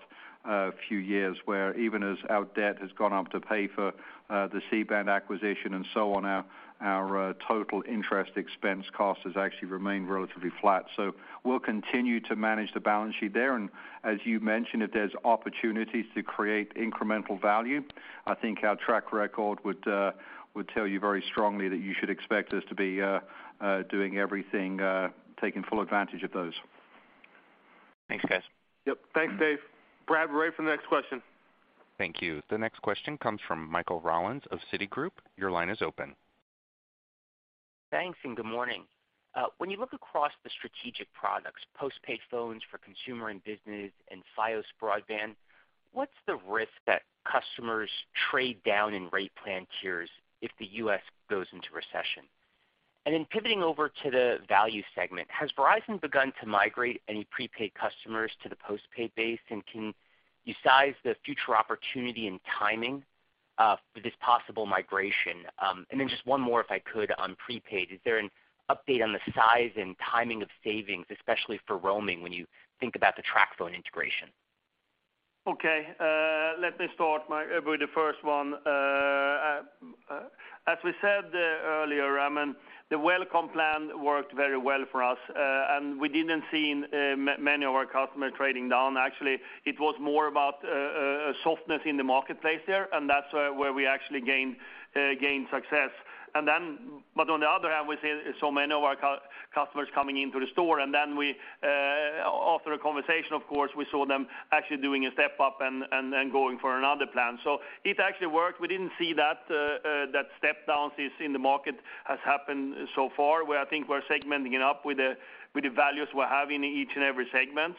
few years, where even as our debt has gone up to pay for the C-band acquisition and so on, our total interest expense cost has actually remained relatively flat. We'll continue to manage the balance sheet there, and as you mentioned, if there's opportunities to create incremental value, I think our track record would tell you very strongly that you should expect us to be doing everything, taking full advantage of those. Thanks, guys. Yep. Thanks, Dave. Brad, we're ready for the next question. Thank you. The next question comes from Michael Rollins of Citigroup. Your line is open. Thanks, good morning. When you look across the strategic products, postpaid phones for Consumer and Business and Fios broadband, what's the risk that customers trade down in rate plan tiers if the U.S. goes into recession? Pivoting over to the value segment, has Verizon begun to migrate any prepaid customers to the postpaid base, and can you size the future opportunity and timing for this possible migration? Just one more, if I could, on prepaid. Is there an update on the size and timing of savings, especially for roaming when you think about the TracFone integration? Okay. Let me start with the first one. As we said earlier, Rollins, the Welcome Plan worked very well for us. We didn't seen many of our customers trading down. Actually, it was more about softness in the marketplace there, and that's where we actually gained success. On the other hand, we see so many of our customers coming into the store, and then we, after a conversation, of course, we saw them actually doing a step up and then going for another plan. It actually worked. We didn't see that step downs is in the market has happened so far, where I think we're segmenting it up with the values we're having in each and every segment.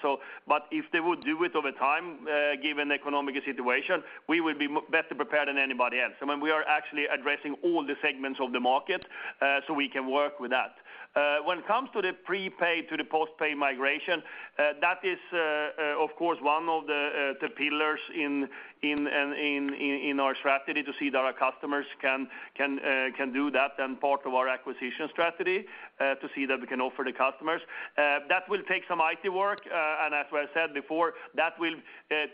If they would do it over time, given the economic situation, we would be better prepared than anybody else. I mean, we are actually addressing all the segments of the market, so we can work with that. When it comes to the prepaid to the postpaid migration, that is, of course, one of the pillars in our strategy to see that our customers can do that and part of our acquisition strategy, to see that we can offer the customers. That will take some IT work, and as we have said before, that will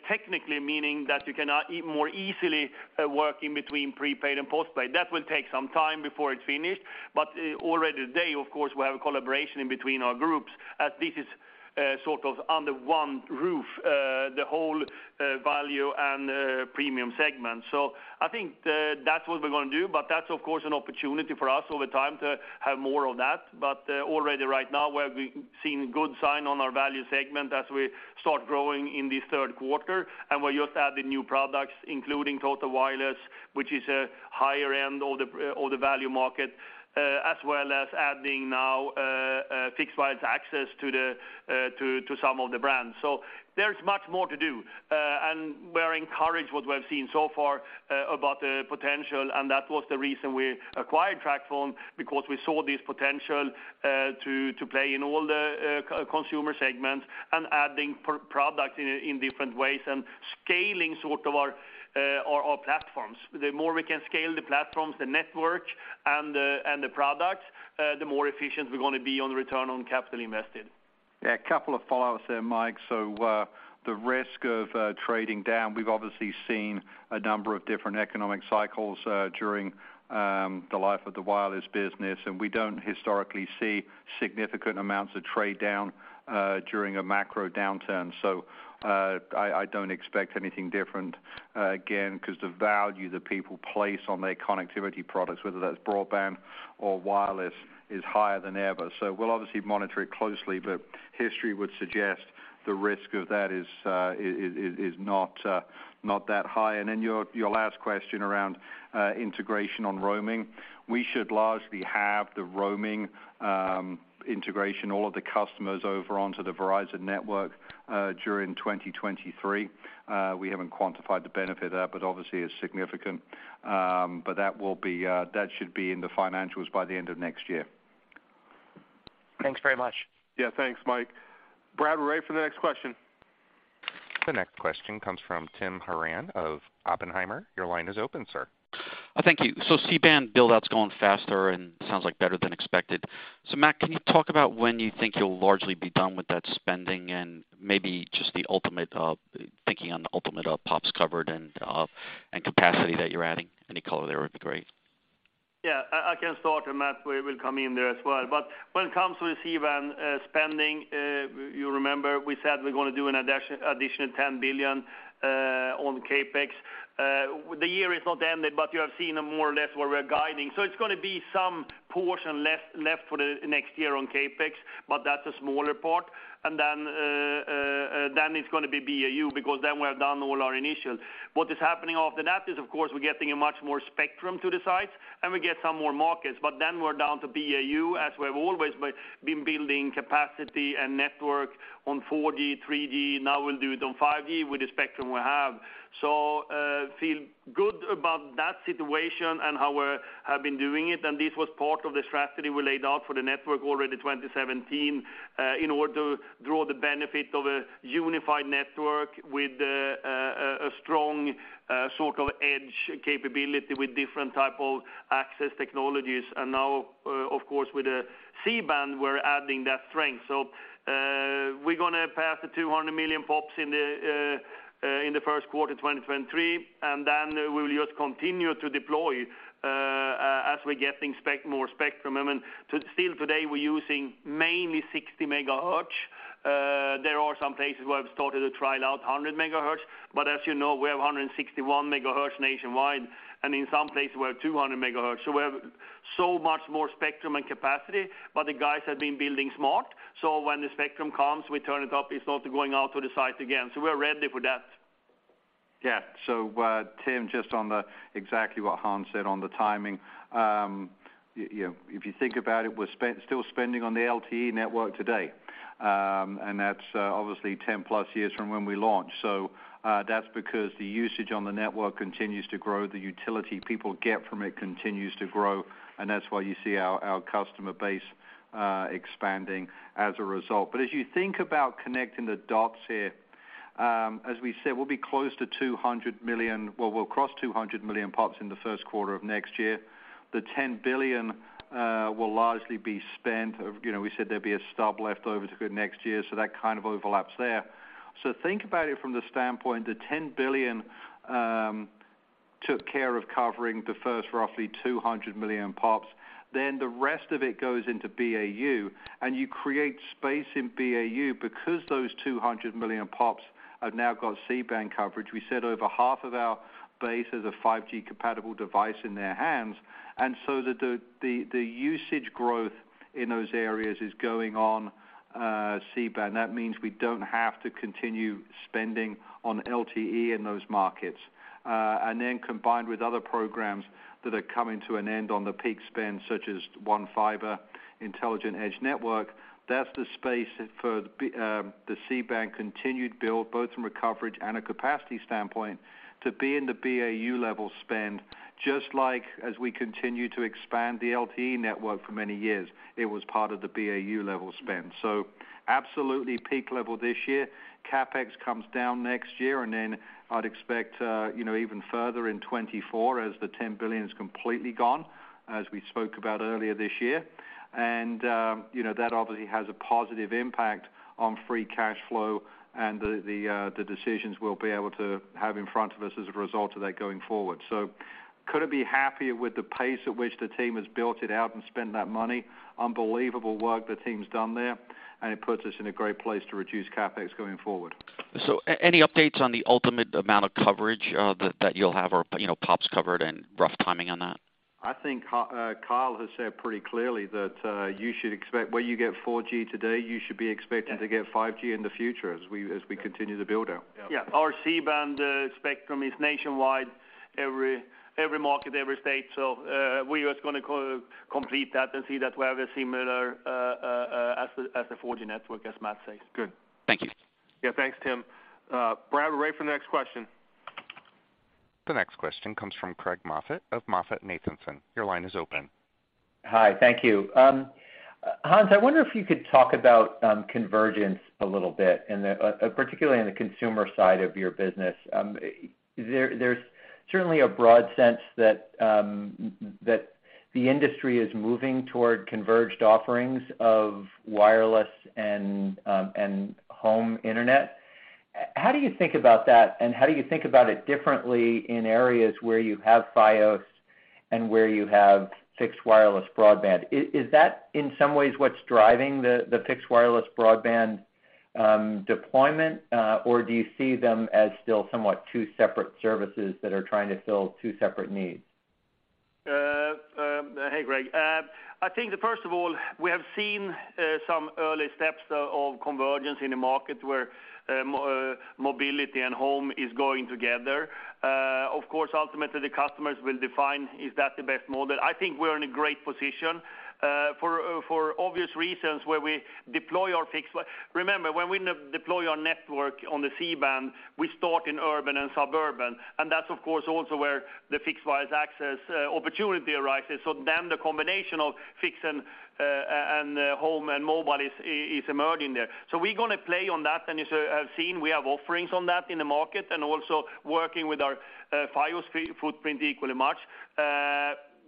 technically meaning that you can more easily work in between prepaid and postpaid. That will take some time before it's finished, but already today, of course, we have a collaboration in between our groups as this is sort of under one roof, the whole value and premium segment. I think that's what we're gonna do, but that's of course an opportunity for us over time to have more of that. Already right now, we're seeing good sign on our value segment as we start growing in this third quarter, and we're just adding new products, including Total Wireless, which is a higher end of the value market, as well as adding now fixed wireless access to some of the brands. There's much more to do. We're encouraged by what we have seen so far about the potential, and that was the reason we acquired TracFone, because we saw this potential to play in all the consumer segments and adding product in different ways and scaling sort of our platforms. The more we can scale the platforms, the network and the products, the more efficient we're gonna be on the return on capital invested. Yeah, a couple of follow-ups there, Mike. The risk of trading down, we've obviously seen a number of different economic cycles during the life of the wireless business, and we don't historically see significant amounts of trade down during a macro downturn. I don't expect anything different again, 'cause the value that people place on their connectivity products, whether that's broadband or wireless, is higher than ever. We'll obviously monitor it closely, but history would suggest the risk of that is not that high. Then your last question around integration on roaming. We should largely have the roaming integration, all of the customers over onto the Verizon network during 2023. We haven't quantified the benefit there, but obviously it's significant. That should be in the financials by the end of next year. Thanks very much. Yeah, thanks, Mike. Brad, we're ready for the next question. The next question comes from Timothy Horan of Oppenheimer. Your line is open, sir. Thank you. C-band build-out's going faster and sounds like better than expected. Matt, can you talk about when you think you'll largely be done with that spending and maybe just the ultimate thinking on the ultimate pops covered and capacity that you're adding? Any color there would be great. Yeah. I can start, and Matt will come in there as well. When it comes to C-band spending, you remember we said we're gonna do an additional $10 billion on CapEx. The year is not ended, but you have seen more or less where we're guiding. It's gonna be some portion less left for the next year on CapEx, but that's a smaller part. Then it's gonna be BAU because then we're done all our initial. What is happening after that is, of course, we're getting much more spectrum to the site, and we get some more markets, but then we're down to BAU as we've always been building capacity and network on 4G, 3G, now we'll do it on 5G with the spectrum we have. Feel good about that situation and how we have been doing it. This was part of the strategy we laid out for the network already 2017 in order to draw the benefit of a unified network with a strong sort of edge capability with different type of access technologies. Now, of course, with the C-band, we're adding that strength. We're gonna pass the 200 million POPs in the first quarter 2023, and then we will just continue to deploy as we're getting more spectrum. I mean, still today we're using mainly 60 MHz. There are some places where we've started to trial out 100 MHz, but as you know, we have 161 MHz nationwide, and in some places we have 200 MHz. We have so much more spectrum and capacity, but the guys have been building smart. When the spectrum comes, we turn it up. It's not going out to the site again. We're ready for that. Yeah. So, Tim, just on the exactly what Hans said on the timing. You know, if you think about it, we're still spending on the LTE network today. That's obviously 10+ years from when we launched. That's because the usage on the network continues to grow. The utility people get from it continues to grow, and that's why you see our customer base expanding as a result. As you think about connecting the dots here, as we said, we'll be close to 200 million, well, we'll cross 200 million POPs in the first quarter of next year. The $10 billion will largely be spent. You know, we said there'd be a stub left over to go next year, so that kind of overlaps there. Think about it from the standpoint, the $10 billion took care of covering the first roughly 200 million POPs, then the rest of it goes into BAU, and you create space in BAU because those 200 million POPs have now got C-band coverage. We said over half of our base has a 5G-compatible device in their hands. The usage growth in those areas is going on C-band. That means we don't have to continue spending on LTE in those markets. Combined with other programs that are coming to an end on the peak spend, such as One Fiber, Intelligent Edge Network, that's the space for the C-band continued build, both from a coverage and a capacity standpoint, to be in the BAU level spend. Just like as we continued to expand the LTE network for many years, it was part of the BAU level spend. Absolutely peak level this year. CapEx comes down next year, and then I'd expect, you know, even further in 2024 as the $10 billion is completely gone, as we spoke about earlier this year. You know, that obviously has a positive impact on free cash flow and the decisions we'll be able to have in front of us as a result of that going forward. Couldn't be happier with the pace at which the team has built it out and spent that money. Unbelievable work the team's done there, and it puts us in a great place to reduce CapEx going forward. Any updates on the ultimate amount of coverage that you'll have or, you know, POPs covered and rough timing on that? I think Carl has said pretty clearly that you should expect where you get 4G today, you should be expecting to get 5G in the future as we continue to build out. Our C-band spectrum is nationwide, every market, every state. We're just gonna complete that and see that we have a similar as a 4G network, as Matt says. Good. Thank you. Yeah, thanks, Tim. Brad, we're ready for the next question. The next question comes from Craig Moffett of MoffettNathanson. Your line is open. Hi, thank you. Hans, I wonder if you could talk about convergence a little bit, and particularly in the consumer side of your business. There's certainly a broad sense that the industry is moving toward converged offerings of wireless and home internet. How do you think about that, and how do you think about it differently in areas where you have Fios and where you have fixed wireless broadband? Is that, in some ways, what's driving the fixed wireless broadband deployment? Or do you see them as still somewhat two separate services that are trying to fill two separate needs? Hey, Craig. I think that first of all, we have seen some early steps of convergence in the market where mobility and home is going together. Of course, ultimately customers will define is that the best model? I think we're in a great position for obvious reasons. Remember, when we deploy our network on the C-band, we start in urban and suburban, and that's of course also where the fixed wireless access opportunity arises. The combination of fixed and home and mobile is emerging there. We're gonna play on that. As you have seen, we have offerings on that in the market and also working with our Fios footprint equally much.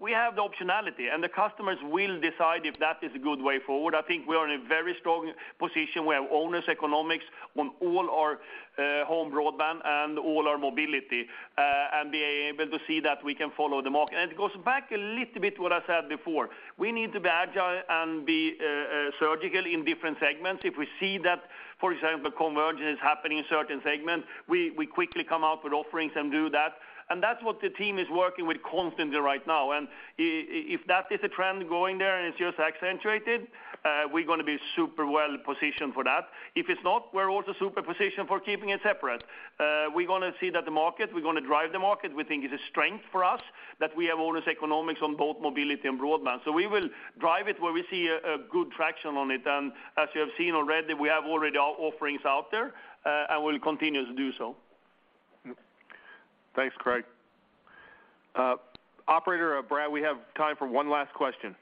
We have the optionality, and the customers will decide if that is a good way forward. I think we are in a very strong position where owners' economics on all our home broadband and all our mobility and we'll be able to see that we can follow the market. It goes back a little bit to what I said before. We need to be agile and be surgical in different segments. If we see that, for example, convergence is happening in certain segments, we quickly come out with offerings and do that. That's what the team is working with constantly right now. If that is a trend going there, and it's just accentuated, we're gonna be super well-positioned for that. If it's not, we're also super positioned for keeping it separate. We're gonna drive the market. We think it's a strength for us that we have all this economics on both mobility and broadband. We will drive it where we see a good traction on it. As you have seen already, we have already our offerings out there, and we'll continue to do so. Thanks, Craig. Operator or Brad, we have time for one last question.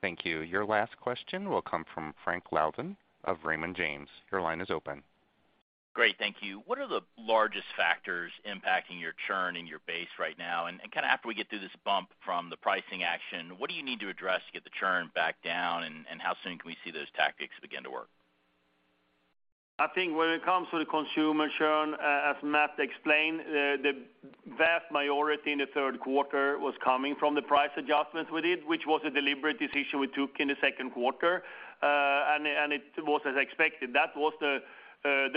Thank you. Your last question will come from Frank Louthan of Raymond James. Your line is open. Great. Thank you. What are the largest factors impacting your churn in your base right now? Kinda after we get through this bump from the pricing action, what do you need to address to get the churn back down, and how soon can we see those tactics begin to work? I think when it comes to the consumer churn, as Matt explained, the vast majority in the third quarter was coming from the price adjustments we did, which was a deliberate decision we took in the second quarter. It was as expected. That was the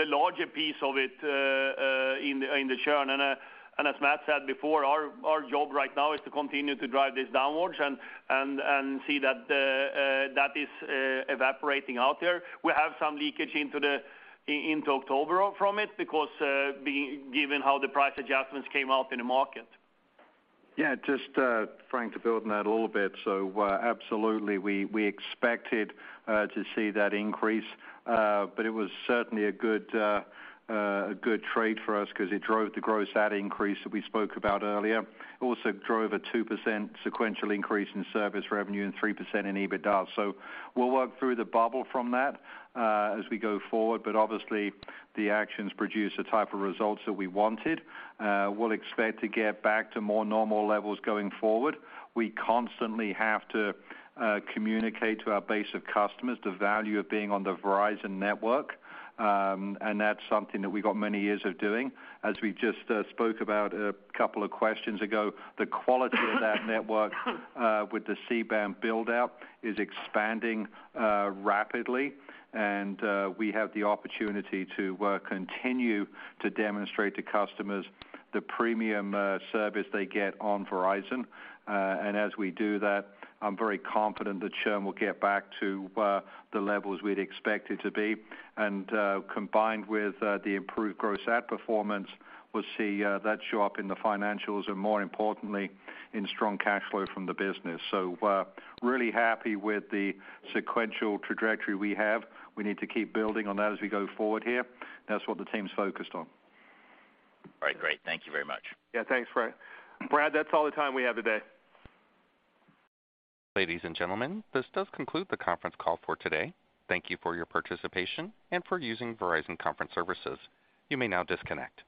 larger piece of it in the churn. As Matt said before, our job right now is to continue to drive this downwards and see that is evaporating out there. We have some leakage into October from it because given how the price adjustments came out in the market. Yeah, just, Frank, to build on that a little bit. Absolutely, we expected to see that increase, but it was certainly a good trade for us 'cause it drove the gross add increase that we spoke about earlier. It also drove a 2% sequential increase in service revenue and 3% in EBITDA. We'll work through the bubble from that, as we go forward, but obviously the actions produce the type of results that we wanted. We'll expect to get back to more normal levels going forward. We constantly have to communicate to our base of customers the value of being on the Verizon network, and that's something that we've got many years of doing. As we just spoke about a couple of questions ago, the quality of that network with the C-band build-out is expanding rapidly, and we have the opportunity to continue to demonstrate to customers the premium service they get on Verizon. As we do that, I'm very confident the churn will get back to the levels we'd expect it to be. Combined with the improved gross add performance, we'll see that show up in the financials and more importantly, in strong cash flow from the business. Really happy with the sequential trajectory we have. We need to keep building on that as we go forward here. That's what the team's focused on. All right, great. Thank you very much. Yeah, thanks, Frank. Brad, that's all the time we have today. Ladies and gentlemen, this does conclude the conference call for today. Thank you for your participation and for using Verizon Conferencing. You may now disconnect.